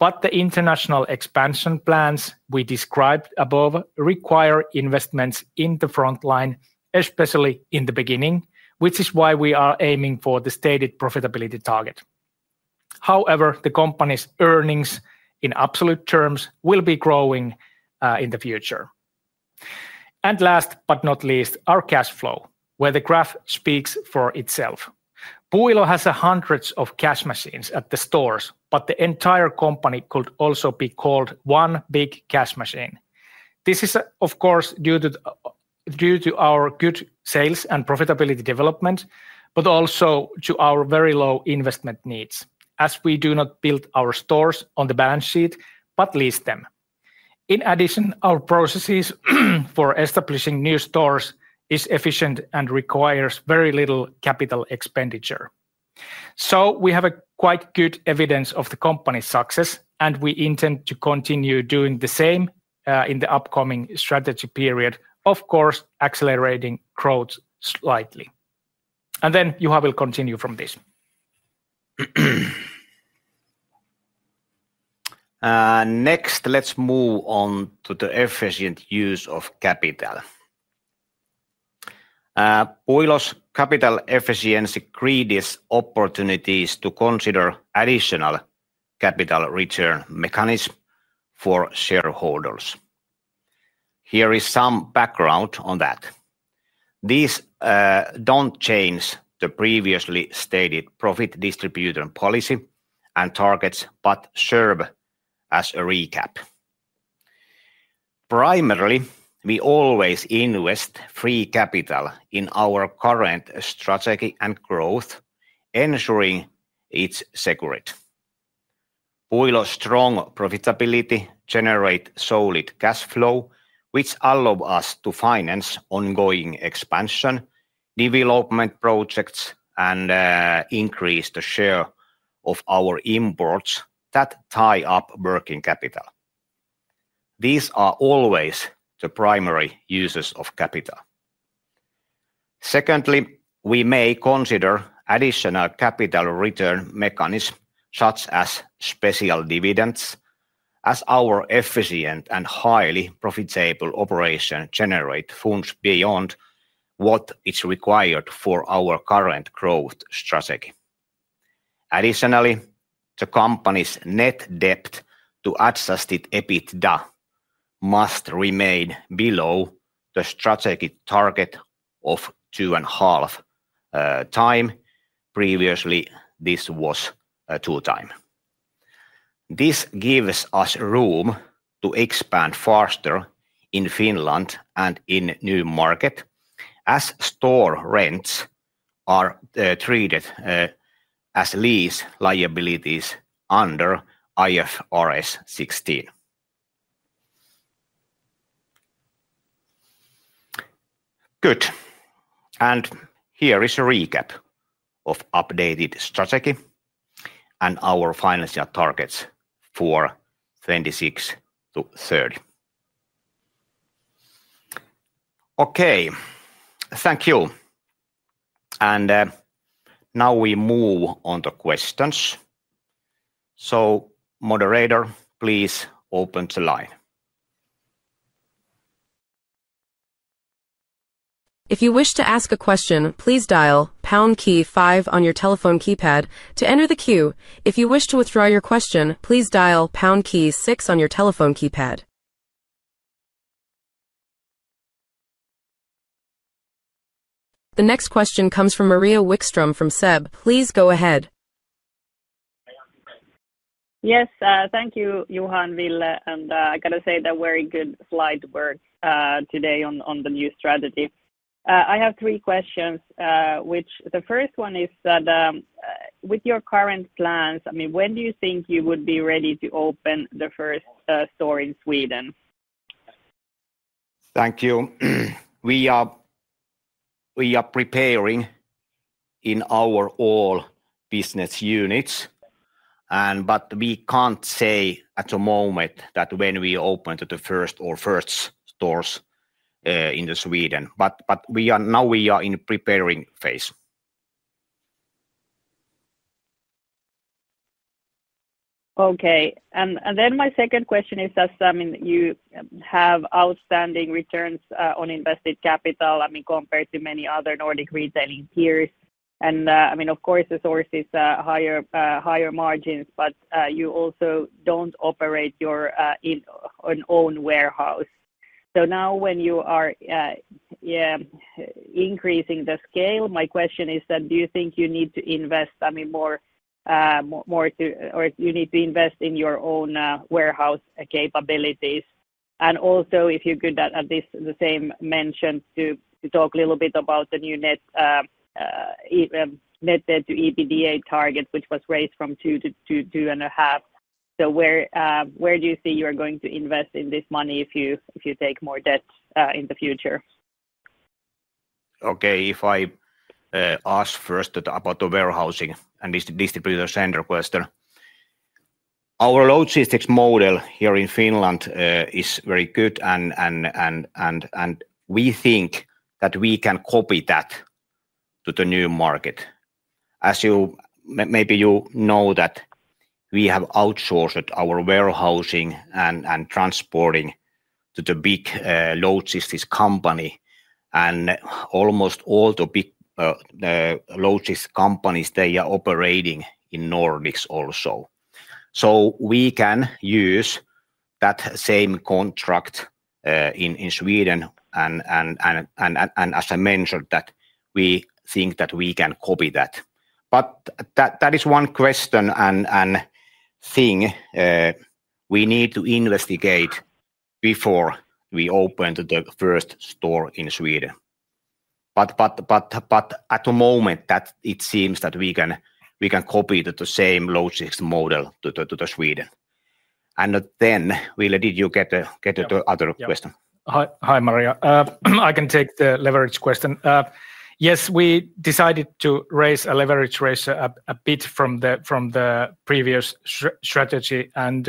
However, the international expansion plans we described above require investments in the front line, especially in the beginning, which is why we are aiming for the stated profitability target. However, the company's earnings in absolute terms will be growing in the future. Last but not least, our cash flow, where the graph speaks for itself. Puuilo has hundreds of cash machines at the stores, but the entire company could also be called one big cash machine. This is, of course, due to our good sales and profitability development, but also to our very low investment needs, as we do not build our stores on the balance sheet, but lease them. In addition, our processes for establishing new stores are efficient and require very little capital expenditure. We have quite good evidence of the company's success, and we intend to continue doing the same in the upcoming strategy period, of course, accelerating growth slightly. Juha will continue from this. Next, let's move on to the efficient use of capital. Puuilo's capital efficiency creates opportunities to consider additional capital return mechanisms for shareholders. Here is some background on that. These don't change the previously stated profit distribution policy and targets, but serve as a recap. Primarily, we always invest free capital in our current strategy and growth, ensuring it's secure. Puuilo's strong profitability generates solid cash flow, which allows us to finance ongoing expansion, development projects, and increase the share of our imports that tie up working capital. These are always the primary uses of capital. Secondly, we may consider additional capital return mechanisms, such as special dividends, as our efficient and highly profitable operation generates funds beyond what is required for our current growth strategy. Additionally, the company's net debt to adjusted EBITDA must remain below the strategic target of 2.5 times. Previously, this was 2 times. This gives us room to expand faster in Finland and in new markets, as store rents are treated as lease liabilities under IFRS 16. Good. Here is a recap of the updated strategy and our financial targets for 2026 to 2030. Thank you. Now we move on to questions. Moderator, please open the line. If you wish to ask a question, please dial pound key five on your telephone keypad to enter the queue. If you wish to withdraw your question, please dial pound key six on your telephone keypad. The next question comes from Maria Wikström from SEB. Please go ahead. Yes. Thank you, Juha, and Ville. I got to say that very good slides work today on the new strategy. I have three questions. The first one is that with your current plans, I mean, when do you think you would be ready to open the first store in Sweden? Thank you. We are preparing in all our business units, but we can't say at the moment when we open the first or first stores in Sweden. We are in the preparing phase. Okay. My second question is, as I mean, you have outstanding returns on invested capital, I mean, compared to many other Nordic retailing peers. Of course, the source is higher margins, but you also don't operate an own warehouse. Now when you are increasing the scale, my question is that do you think you need to invest more, or do you need to invest in your own warehouse capabilities? Also, if you could at this same mention talk a little bit about the new net debt to adjusted EBITDA target, which was raised from two to two and a half. Where do you see you are going to invest this money if you take more debt in the future? Okay. If I ask first about the warehousing and distributor center question, our logistics model here in Finland is very good, and we think that we can copy that to the new market. As you maybe know, we have outsourced our warehousing and transporting to the big logistics company, and almost all the big logistics companies are operating in Nordics also. We can use that same contract in Sweden. As I mentioned, we think that we can copy that. That is one question and thing we need to investigate before we open the first store in Sweden. At the moment, it seems that we can copy the same logistics model to Sweden. Ville, did you get the other question? Hi, Maria. I can take the leverage question. Yes, we decided to raise a leverage ratio a bit from the previous strategy, and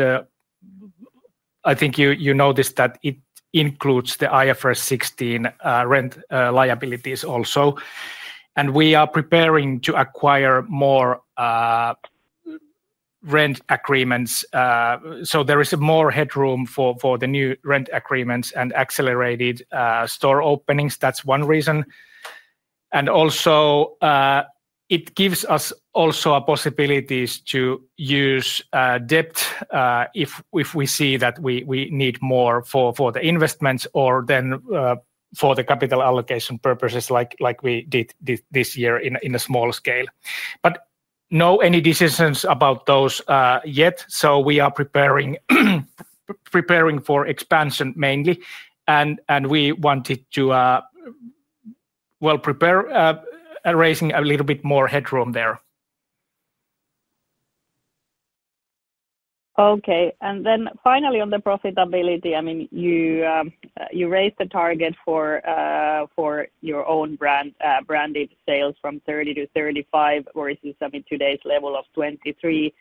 I think you noticed that it includes the IFRS 16 rent liabilities also. We are preparing to acquire more rent agreements, so there is more headroom for the new rent agreements and accelerated store openings. That's one reason. It gives us also a possibility to use debt if we see that we need more for the investments or for the capital allocation purposes, like we did this year in a small scale. No any decisions about those yet, we are preparing for expansion mainly, and we wanted to prepare raising a little bit more headroom there. Okay. Finally, on the profitability, you raised the target for your own branded sales from 30% to 35%, whereas this is today's level of 23%.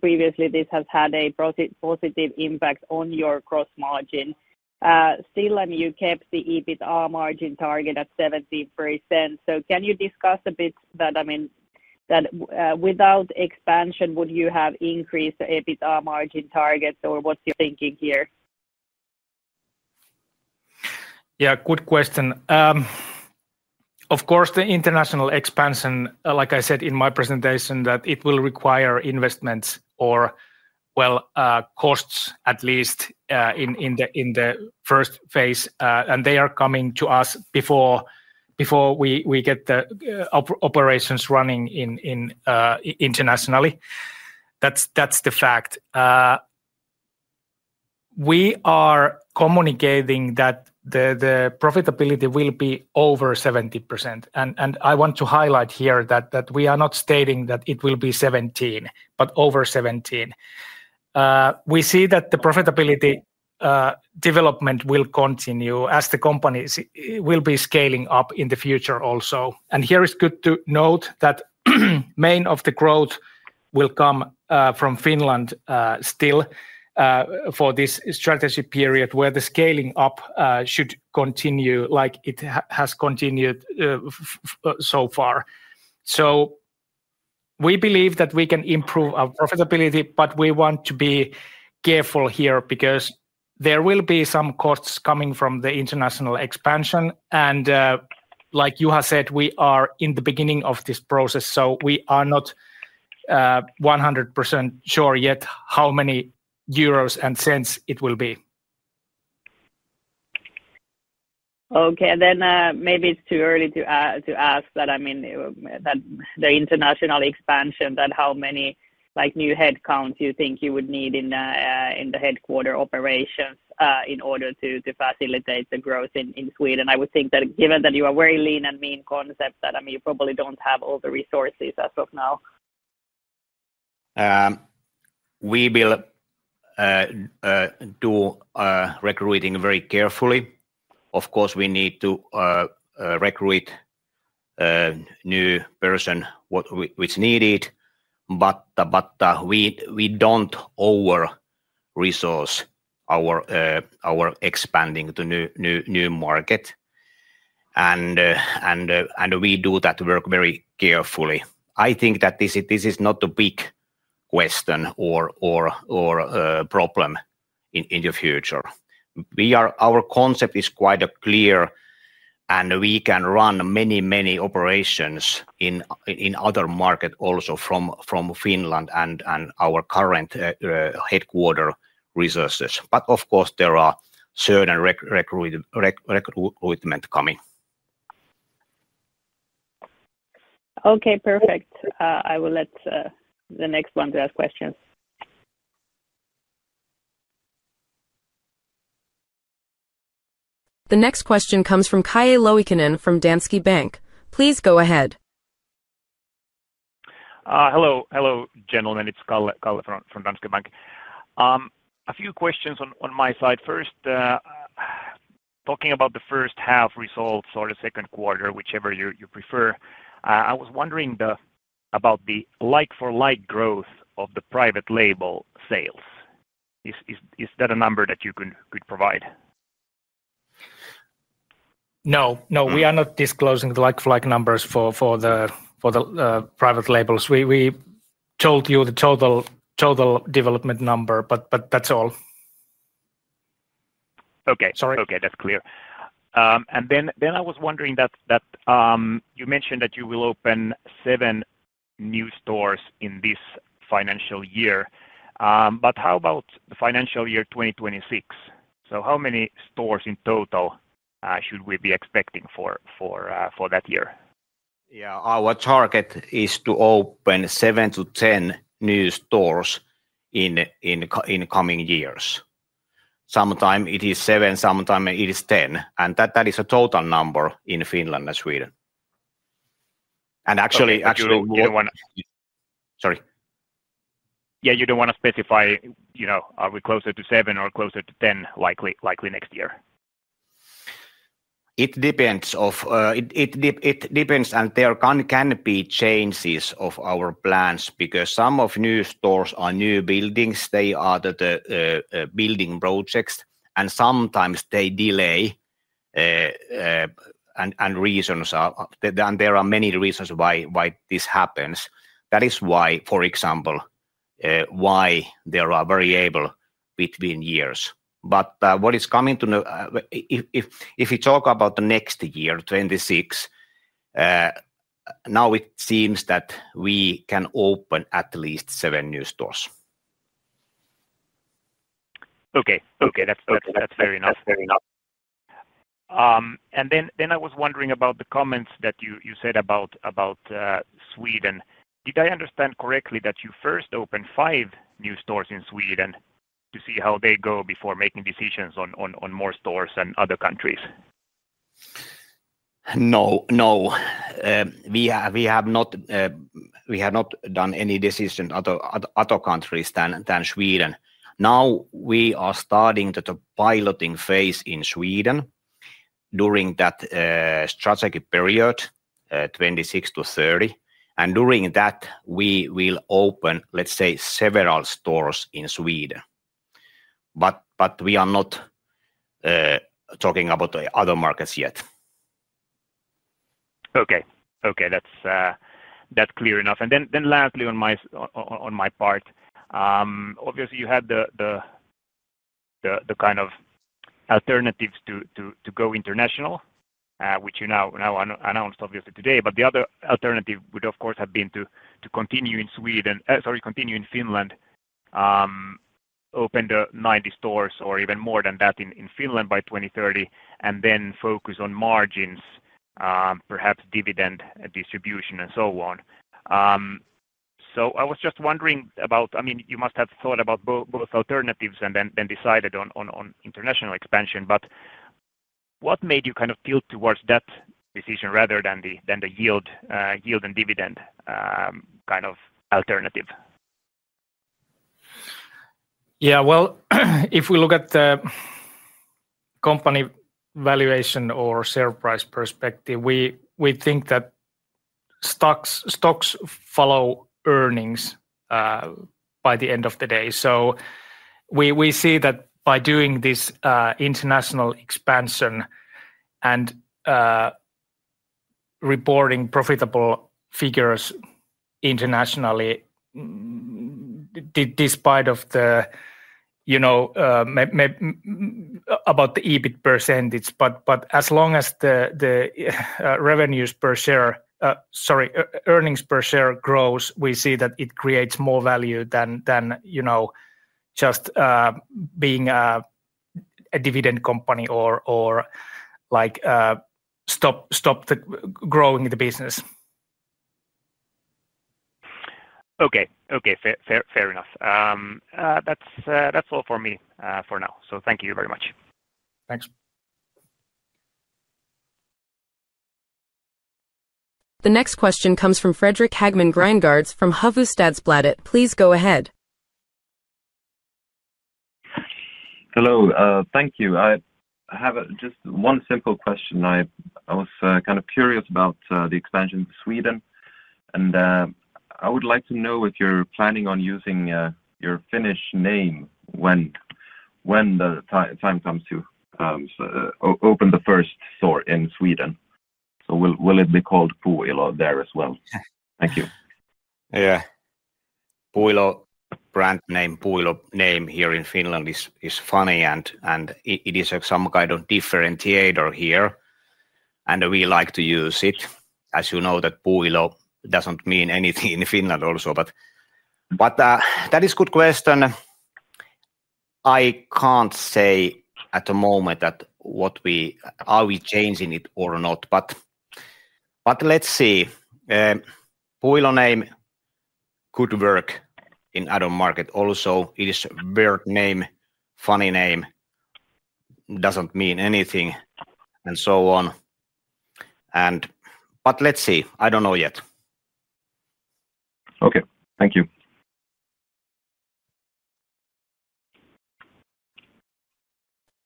Previously, this has had a positive impact on your gross margin. Still, you kept the EBITDA margin target at 17%. Can you discuss a bit that, without expansion, would you have increased the EBITDA margin target, or what's your thinking here? Yeah, good question. Of course, the international expansion, like I said in my presentation, that it will require investments or, costs at least in the first phase, and they are coming to us before we get the operations running internationally. That's the fact. We are communicating that the profitability will be over 17%. I want to highlight here that we are not stating that it will be 17%, but over 17%. We see that the profitability development will continue as the companies will be scaling up in the future also. Here it is good to note that the main of the growth will come from Finland still for this strategy period, where the scaling up should continue like it has continued so far. We believe that we can improve our profitability, but we want to be careful here because there will be some costs coming from the international expansion. Like Juha said, we are in the beginning of this process, so we are not 100% sure yet how many euros and $0.01 it will be. Okay. Maybe it's too early to ask that, I mean, the international expansion, how many new headcounts you think you would need in the headquarter operations in order to facilitate the growth in Sweden. I would think that given that you are very lean and mean concept, you probably don't have all the resources as of now. We will do recruiting very carefully. Of course, we need to recruit a new person, which is needed, but we don't over-resource our expanding to new markets. We do that work very carefully. I think that this is not a big question or problem in the future. Our concept is quite clear, and we can run many, many operations in other markets also from Finland and our current headquarter resources. Of course, there are certain recruitments coming. Okay, perfect. I will let the next one ask questions. The next question comes from Kai Loikkanen from Danske Bank. Please go ahead. Hello. Hello, gentlemen. It's Kalle from Danske Bank. A few questions on my side. First, talking about the first half results or the second quarter, whichever you prefer, I was wondering about the like-for-like growth of the private label sales. Is that a number that you could provide? No, no, we are not disclosing the like-for-like numbers for the private label products. We told you the total development number, but that's all. Okay, that's clear. I was wondering, you mentioned that you will open seven new stores in this financial year. How about the financial year 2026? How many stores in total should we be expecting for that year? Yeah, our target is to open seven to ten new stores in coming years. Sometimes it is seven, sometimes it is ten. That is a total number in Finland and Sweden. Sorry. Yeah, you don't want to specify, you know, are we closer to seven or closer to ten likely next year? It depends, and there can be changes of our plans because some of the new stores are new buildings. They are the building projects, and sometimes they delay. There are many reasons why this happens. That is why, for example, there are variables between years. If we talk about the next year, 2026, now it seems that we can open at least seven new stores. Okay, that's fair enough. I was wondering about the comments that you said about Sweden. Did I understand correctly that you first opened five new stores in Sweden to see how they go before making decisions on more stores in other countries? No, no. We have not done any decisions in other countries than Sweden. We are starting the piloting phase in Sweden during that strategic period, 2026 to 2030. During that, we will open, let's say, several stores in Sweden. We are not talking about the other markets yet. Okay, that's clear enough. Lastly, on my part, obviously, you had the kind of alternatives to go international, which you now announced today. The other alternative would, of course, have been to continue in Finland, open the 90 stores or even more than that in Finland by 2030, and then focus on margins, perhaps dividend distribution, and so on. I was just wondering about, I mean, you must have thought about both alternatives and then decided on international expansion. What made you kind of tilt towards that decision rather than the yield and dividend kind of alternative? If we look at the company valuation or share price perspective, we think that stocks follow earnings by the end of the day. We see that by doing this international expansion and reporting profitable figures internationally, despite the EBITDA percentage, as long as the earnings per share grows, we see that it creates more value than just being a dividend company or growing the business. Okay, fair enough. That's all for me for now. Thank you very much. Thanks. The next question comes from Fredrik Häggman Gringards from Hufvudstadsbladet. Please go ahead. Hello. Thank you. I have just one simple question. I was kind of curious about the expansion to Sweden, and I would like to know if you're planning on using your Finnish name when the time comes to open the first store in Sweden. Will it be called Puuilo there as well? Thank you. Yeah. Puuilo name here in Finland is funny, and it is some kind of differentiator here, and we like to use it. As you know, Puuilo doesn't mean anything in Finland also. That is a good question. I can't say at the moment that are we changing it or not. Let's see. Puuilo name could work in Nordic market also. It is a weird name, funny name, doesn't mean anything, and so on. Let's see, I don't know yet. Okay, thank you.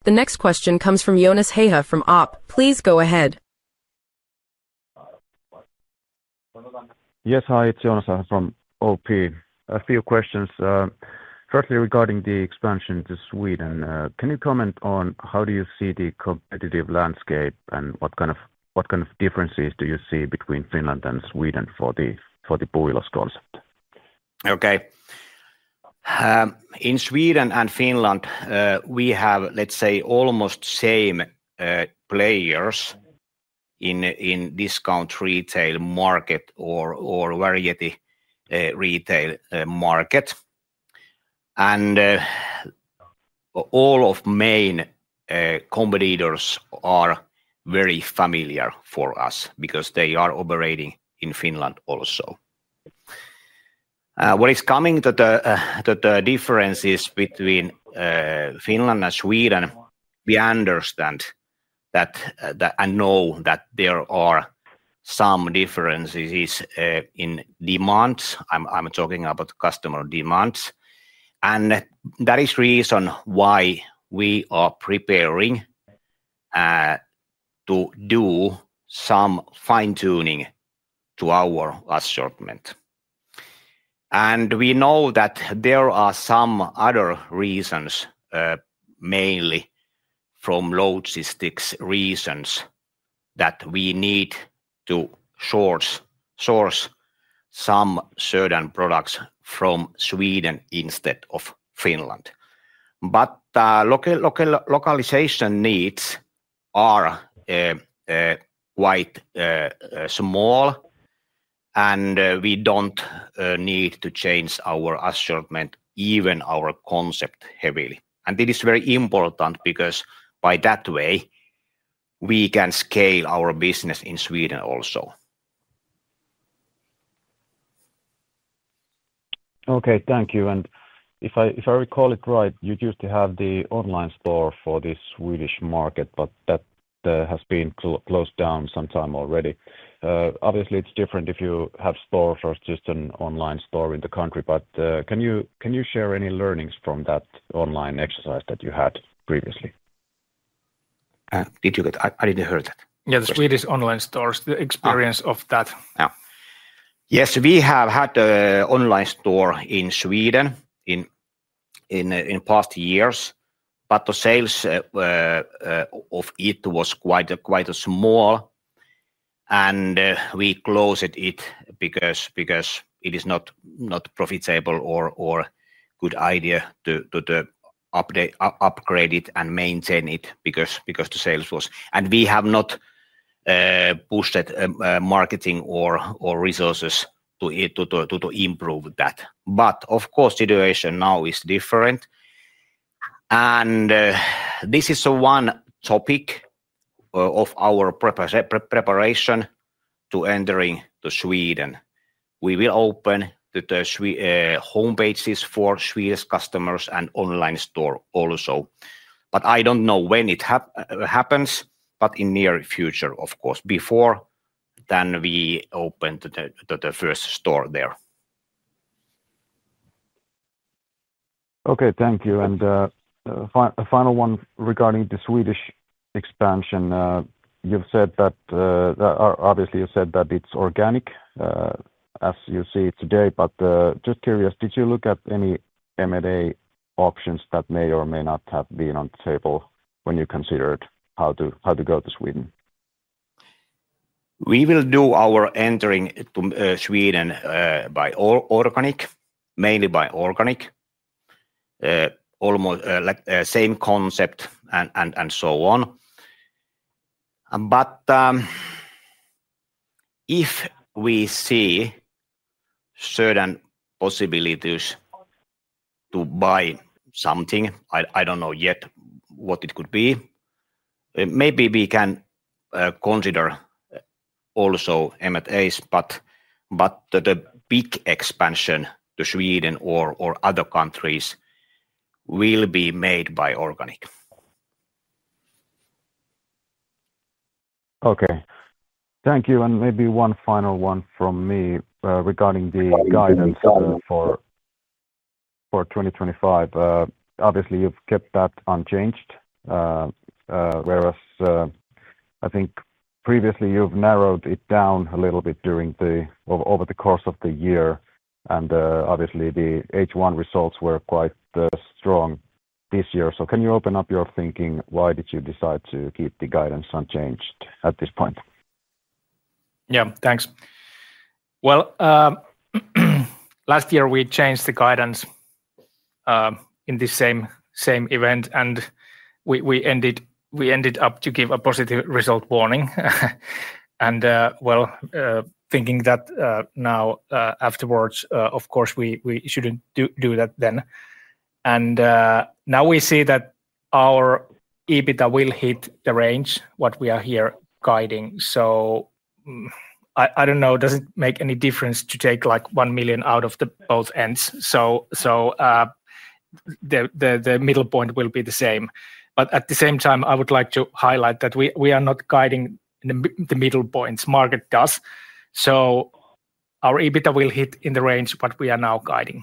The next question comes from Joonas Hehku from OP. Please go ahead. Yes, hi, it's Joonas from APE. A few questions. Firstly, regarding the expansion to Sweden, can you comment on how do you see the competitive landscape, and what kind of differences do you see between Finland and Sweden for the Puuilo concept? Okay. In Sweden and Finland, we have, let's say, almost the same players in the discount retail market or variety retail market. All of the main competitors are very familiar for us because they are operating in Finland also. What is coming to the differences between Finland and Sweden, we understand that and know that there are some differences in demands. I'm talking about customer demands. That is the reason why we are preparing to do some fine-tuning to our last shipment. We know that there are some other reasons, mainly from logistics reasons, that we need to source some certain products from Sweden instead of Finland. The localization needs are quite small, and we don't need to change our assortment, even our concept heavily. It is very important because by that way, we can scale our business in Sweden also. Thank you. If I recall it right, you used to have the online store for the Swedish market, but that has been closed down some time already. Obviously, it's different if you have a store versus just an online store in the country. Can you share any learnings from that online exercise that you had previously? Did you get it? I didn't hear that. Yeah, the Swedish online stores, the experience of that. Yes, we have had an online store in Sweden in past years, but the sales of it were quite small. We closed it because it is not profitable or a good idea to upgrade it and maintain it because the sales was... We have not pushed marketing or resources to improve that. Of course, the situation now is different. This is one topic of our preparation to entering Sweden. We will open the homepages for Swedish customers and online store also. I don't know when it happens, but in the near future, of course, before then we open the first store there. Thank you. A final one regarding the Swedish expansion. You've said that, obviously, you've said that it's organic, as you see it today. I'm just curious, did you look at any M&A options that may or may not have been on the table when you considered how to go to Sweden? We will do our entering to Sweden mainly by organic, same concept and so on. If we see certain possibilities to buy something, I don't know yet what it could be. Maybe we can consider also M&As. The big expansion to Sweden or other countries will be made by organic. Okay, thank you. Maybe one final one from me regarding the guidance for 2025. Obviously, you've kept that unchanged, whereas I think previously you've narrowed it down a little bit over the course of the year. Obviously, the H1 results were quite strong this year. Can you open up your thinking? Why did you decide to keep the guidance unchanged at this point? Yeah, thanks. Last year we changed the guidance in the same event, and we ended up to give a positive result warning. Thinking that now afterwards, of course, we shouldn't do that then. Now we see that our EBITDA will hit the range what we are here guiding. I don't know, does it make any difference to take like $1 million out of both ends? The middle point will be the same. At the same time, I would like to highlight that we are not guiding the middle points. Market does. Our EBITDA will hit in the range what we are now guiding.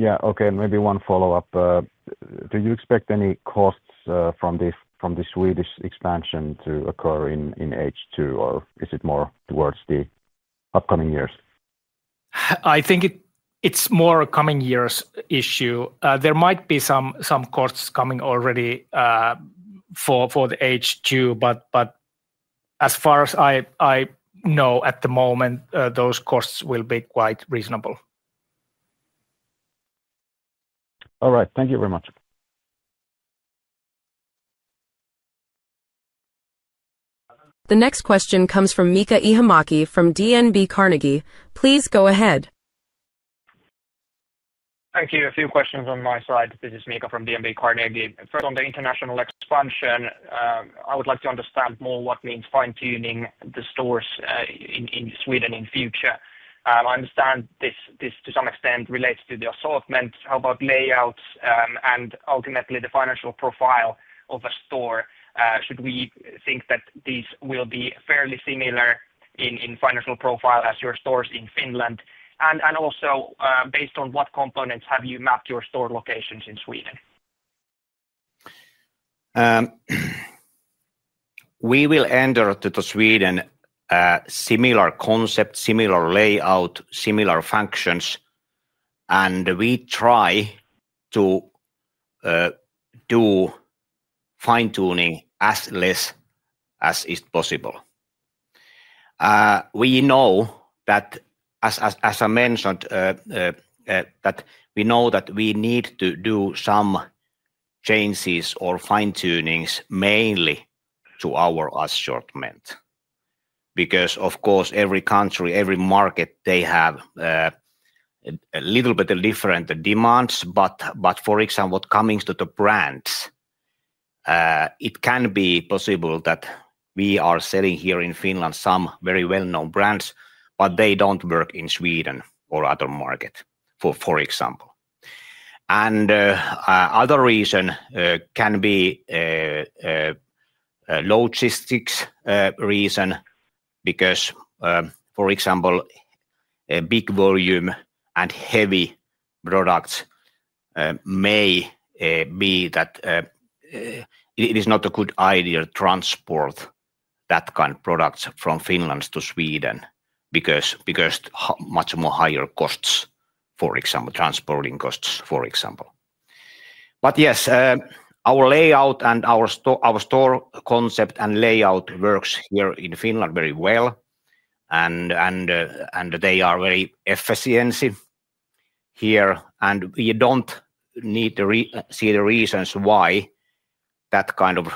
Okay. Maybe one follow-up. Do you expect any cost from the Swedish expansion to occur in H2, or is it more towards the upcoming years? I think it's more a coming years issue. There might be some costs coming already for the H2, but as far as I know at the moment, those costs will be quite reasonable. All right, thank you very much. The next question comes from Mika Ihamäki from DNB Carnegie. Please go ahead. Thank you. A few questions on my side. This is Mika from DNB Carnegie. First, on the international expansion, I would like to understand more what means fine-tuning the stores in Sweden in the future. I understand this to some extent relates to the assortment, how about layouts, and ultimately the financial profile of a store. Should we think that these will be fairly similar in financial profile as your stores in Finland? Also, based on what components have you mapped your store locations in Sweden? We will enter to Sweden, similar concept, similar layout, similar functions, and we try to do fine-tuning as less as is possible. We know that, as I mentioned, we know that we need to do some changes or fine-tunings mainly to our assortment because, of course, every country, every market, they have a little bit of different demands. For example, what comes to the brands, it can be possible that we are selling here in Finland some very well-known brands, but they don't work in Sweden or other markets, for example. Another reason can be a logistics reason because, for example, big volume and heavy products may be that it is not a good idea to transport that kind of products from Finland to Sweden because of much more higher costs, for example, transporting costs, for example. Yes, our layout and our store concept and layout works here in Finland very well, and they are very efficient here. You don't need to see the reasons why that kind of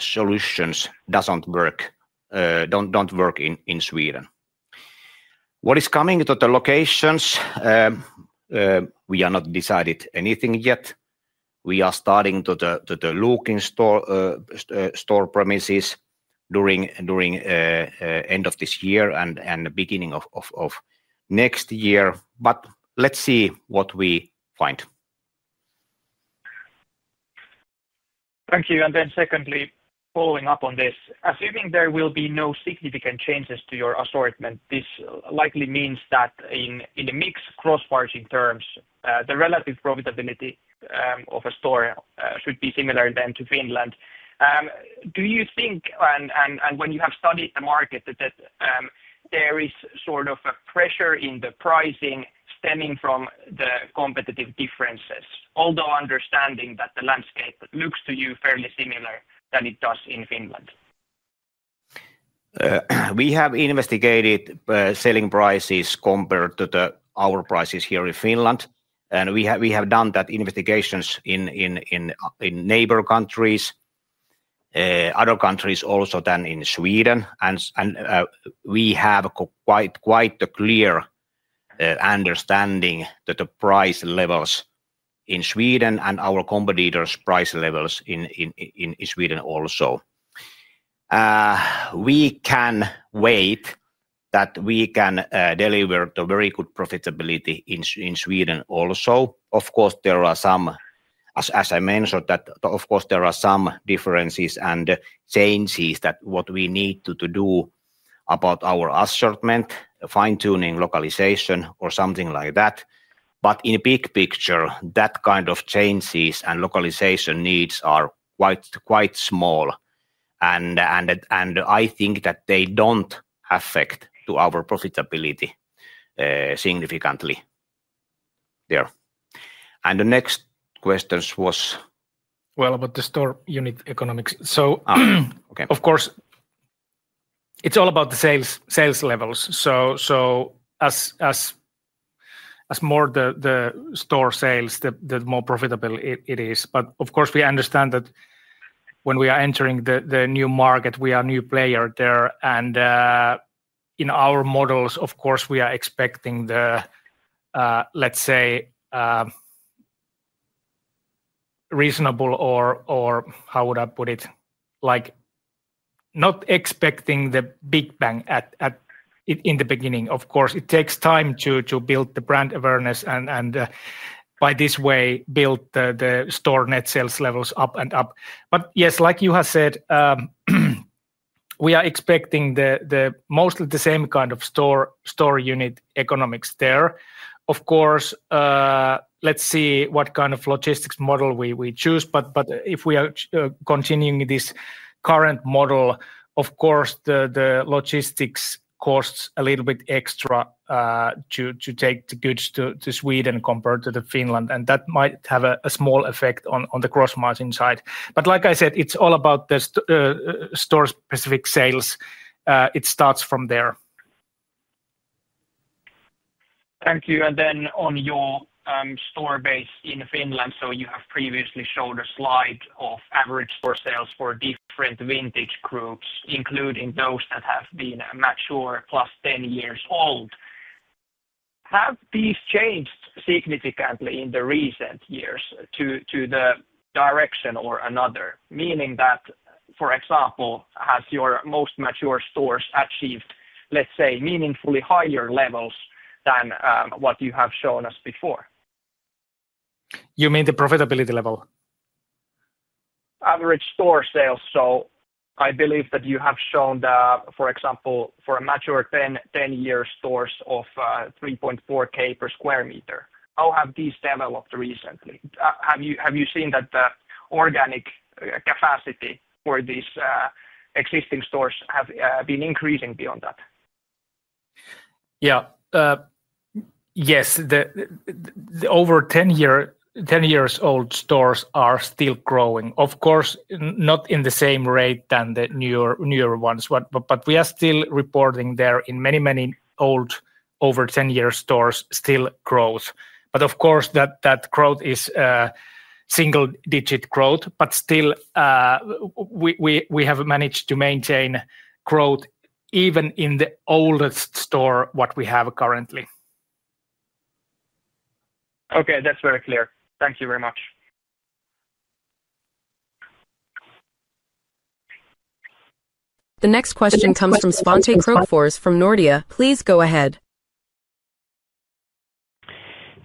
solution doesn't work in Sweden. What is coming to the locations? We have not decided anything yet. We are starting to look in store premises during the end of this year and the beginning of next year. Let's see what we find. Thank you. Secondly, following up on this, assuming there will be no significant changes to your assortment, this likely means that in a mix of gross margin terms, the relative profitability of a store should be similar to Finland. Do you think, when you have studied the market, that there is sort of a pressure in the pricing stemming from the competitive differences, although understanding that the landscape looks to you fairly similar to how it does in Finland? We have investigated selling prices compared to our prices here in Finland, and we have done that investigation in neighboring countries, other countries also than in Sweden. We have quite a clear understanding of the price levels in Sweden and our competitors' price levels in Sweden also. We can wait that we can deliver to very good profitability in Sweden also. Of course, there are some, as I mentioned, differences and changes that we need to do about our assortment, fine-tuning, localization, or something like that. In the big picture, that kind of changes and localization needs are quite small. I think that they don't affect our profitability significantly there. The next question was... Regarding the store unit economics, it's all about the sales levels. The more the store sells, the more profitable it is. We understand that when we are entering the new market, we are a new player there. In our models, we are expecting, let's say, reasonable or, how would I put it, not expecting the big bang in the beginning. It takes time to build the brand awareness and by this way build the store net sales levels up and up. Yes, like you have said, we are expecting mostly the same kind of store unit economics there. Let's see what kind of logistics model we choose. If we are continuing this current model, the logistics costs a little bit extra to take the goods to Sweden compared to Finland, and that might have a small effect on the gross margin side. Like I said, it's all about the store-specific sales. It starts from there. Thank you. On your store base in Finland, you have previously showed a slide of average store sales for different vintage groups, including those that have been mature plus 10 years old. Have these changed significantly in recent years in one direction or another? For example, have your most mature stores achieved, let's say, meaningfully higher levels than what you have shown us before? You mean the profitability level? Average store sales. I believe that you have shown that, for example, for a mature 10-year stores of €3.4K per square meter. How have these developed recently? Have you seen that the organic capacity for these existing stores have been increasing beyond that? Yes, the over 10-year-old stores are still growing. Of course, not at the same rate as the newer ones, but we are still reporting there in many, many old over 10-year stores still growth. Of course, that growth is a single-digit growth, but still we have managed to maintain growth even in the oldest store we have currently. Okay, that's very clear. Thank you very much. The next question comes from Svante Krokfors from Nordea. Please go ahead.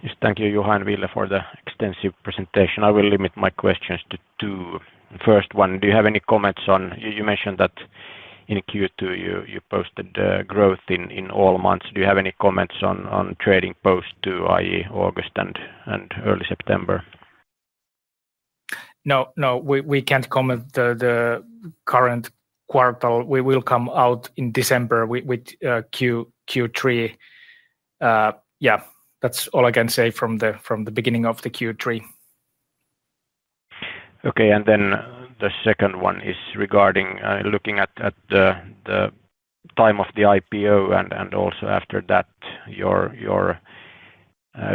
Yes, thank you, Juha Saarela, for the extensive presentation. I will limit my questions to two. First one, do you have any comments on... You mentioned that in Q2 you posted growth in all months. Do you have any comments on trading post Q2, i.e., August and early September? No, no, we can't comment the current quartal. We will come out in December with Q3. That's all I can say from the beginning of the Q3. Okay, and then the second one is regarding looking at the time of the IPO and also after that, your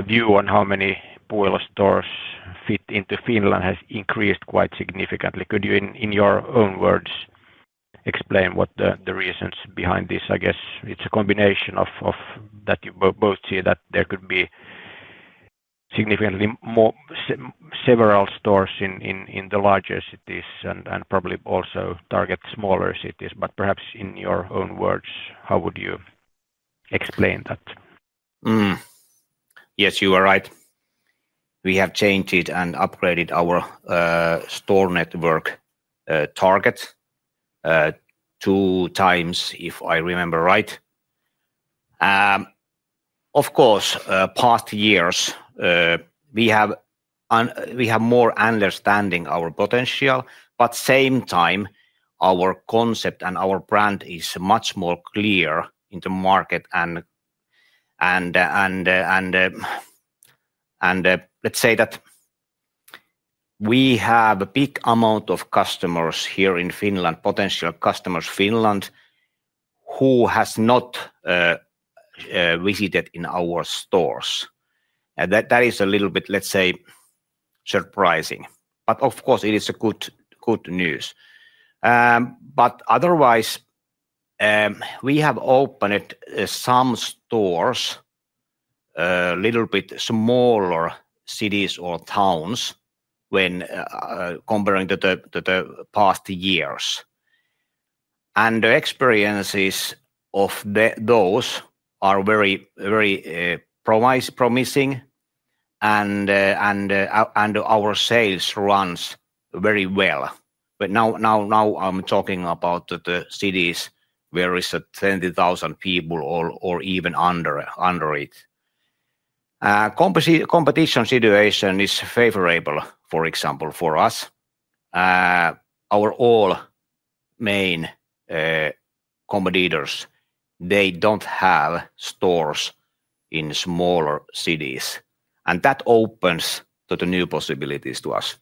view on how many Puuilo stores fit into Finland has increased quite significantly. Could you, in your own words, explain what the reasons behind this? I guess it's a combination of that you both see that there could be significantly more several stores in the larger cities and probably also target smaller cities, but perhaps in your own words, how would you explain that? Yes, you are right. We have changed and upgraded our store network target two times, if I remember right. Of course, past years, we have more understanding of our potential, but at the same time, our concept and our brand is much more clear in the market. Let's say that we have a big amount of customers here in Finland, potential customers in Finland, who have not visited our stores. That is a little bit, let's say, surprising. Of course, it is good news. Otherwise, we have opened some stores in a little bit smaller cities or towns when comparing to the past years. The experiences of those are very promising, and our sales run very well. Now I'm talking about the cities where there are 70,000 people or even under it. The competition situation is favorable, for example, for us. All our main competitors, they don't have stores in smaller cities. That opens new possibilities to us.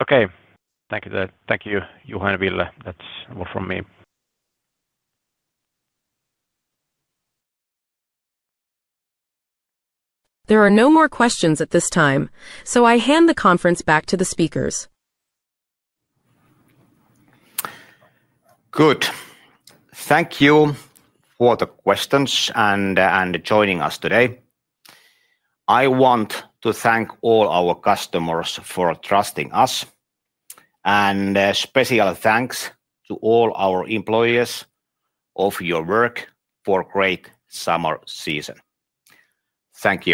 Okay, thank you, Juha Saarela. That's all from me. There are no more questions at this time, so I hand the conference back to the speakers. Good. Thank you for the questions and joining us today. I want to thank all our customers for trusting us, and special thanks to all our employees for your work for a great summer season. Thank you.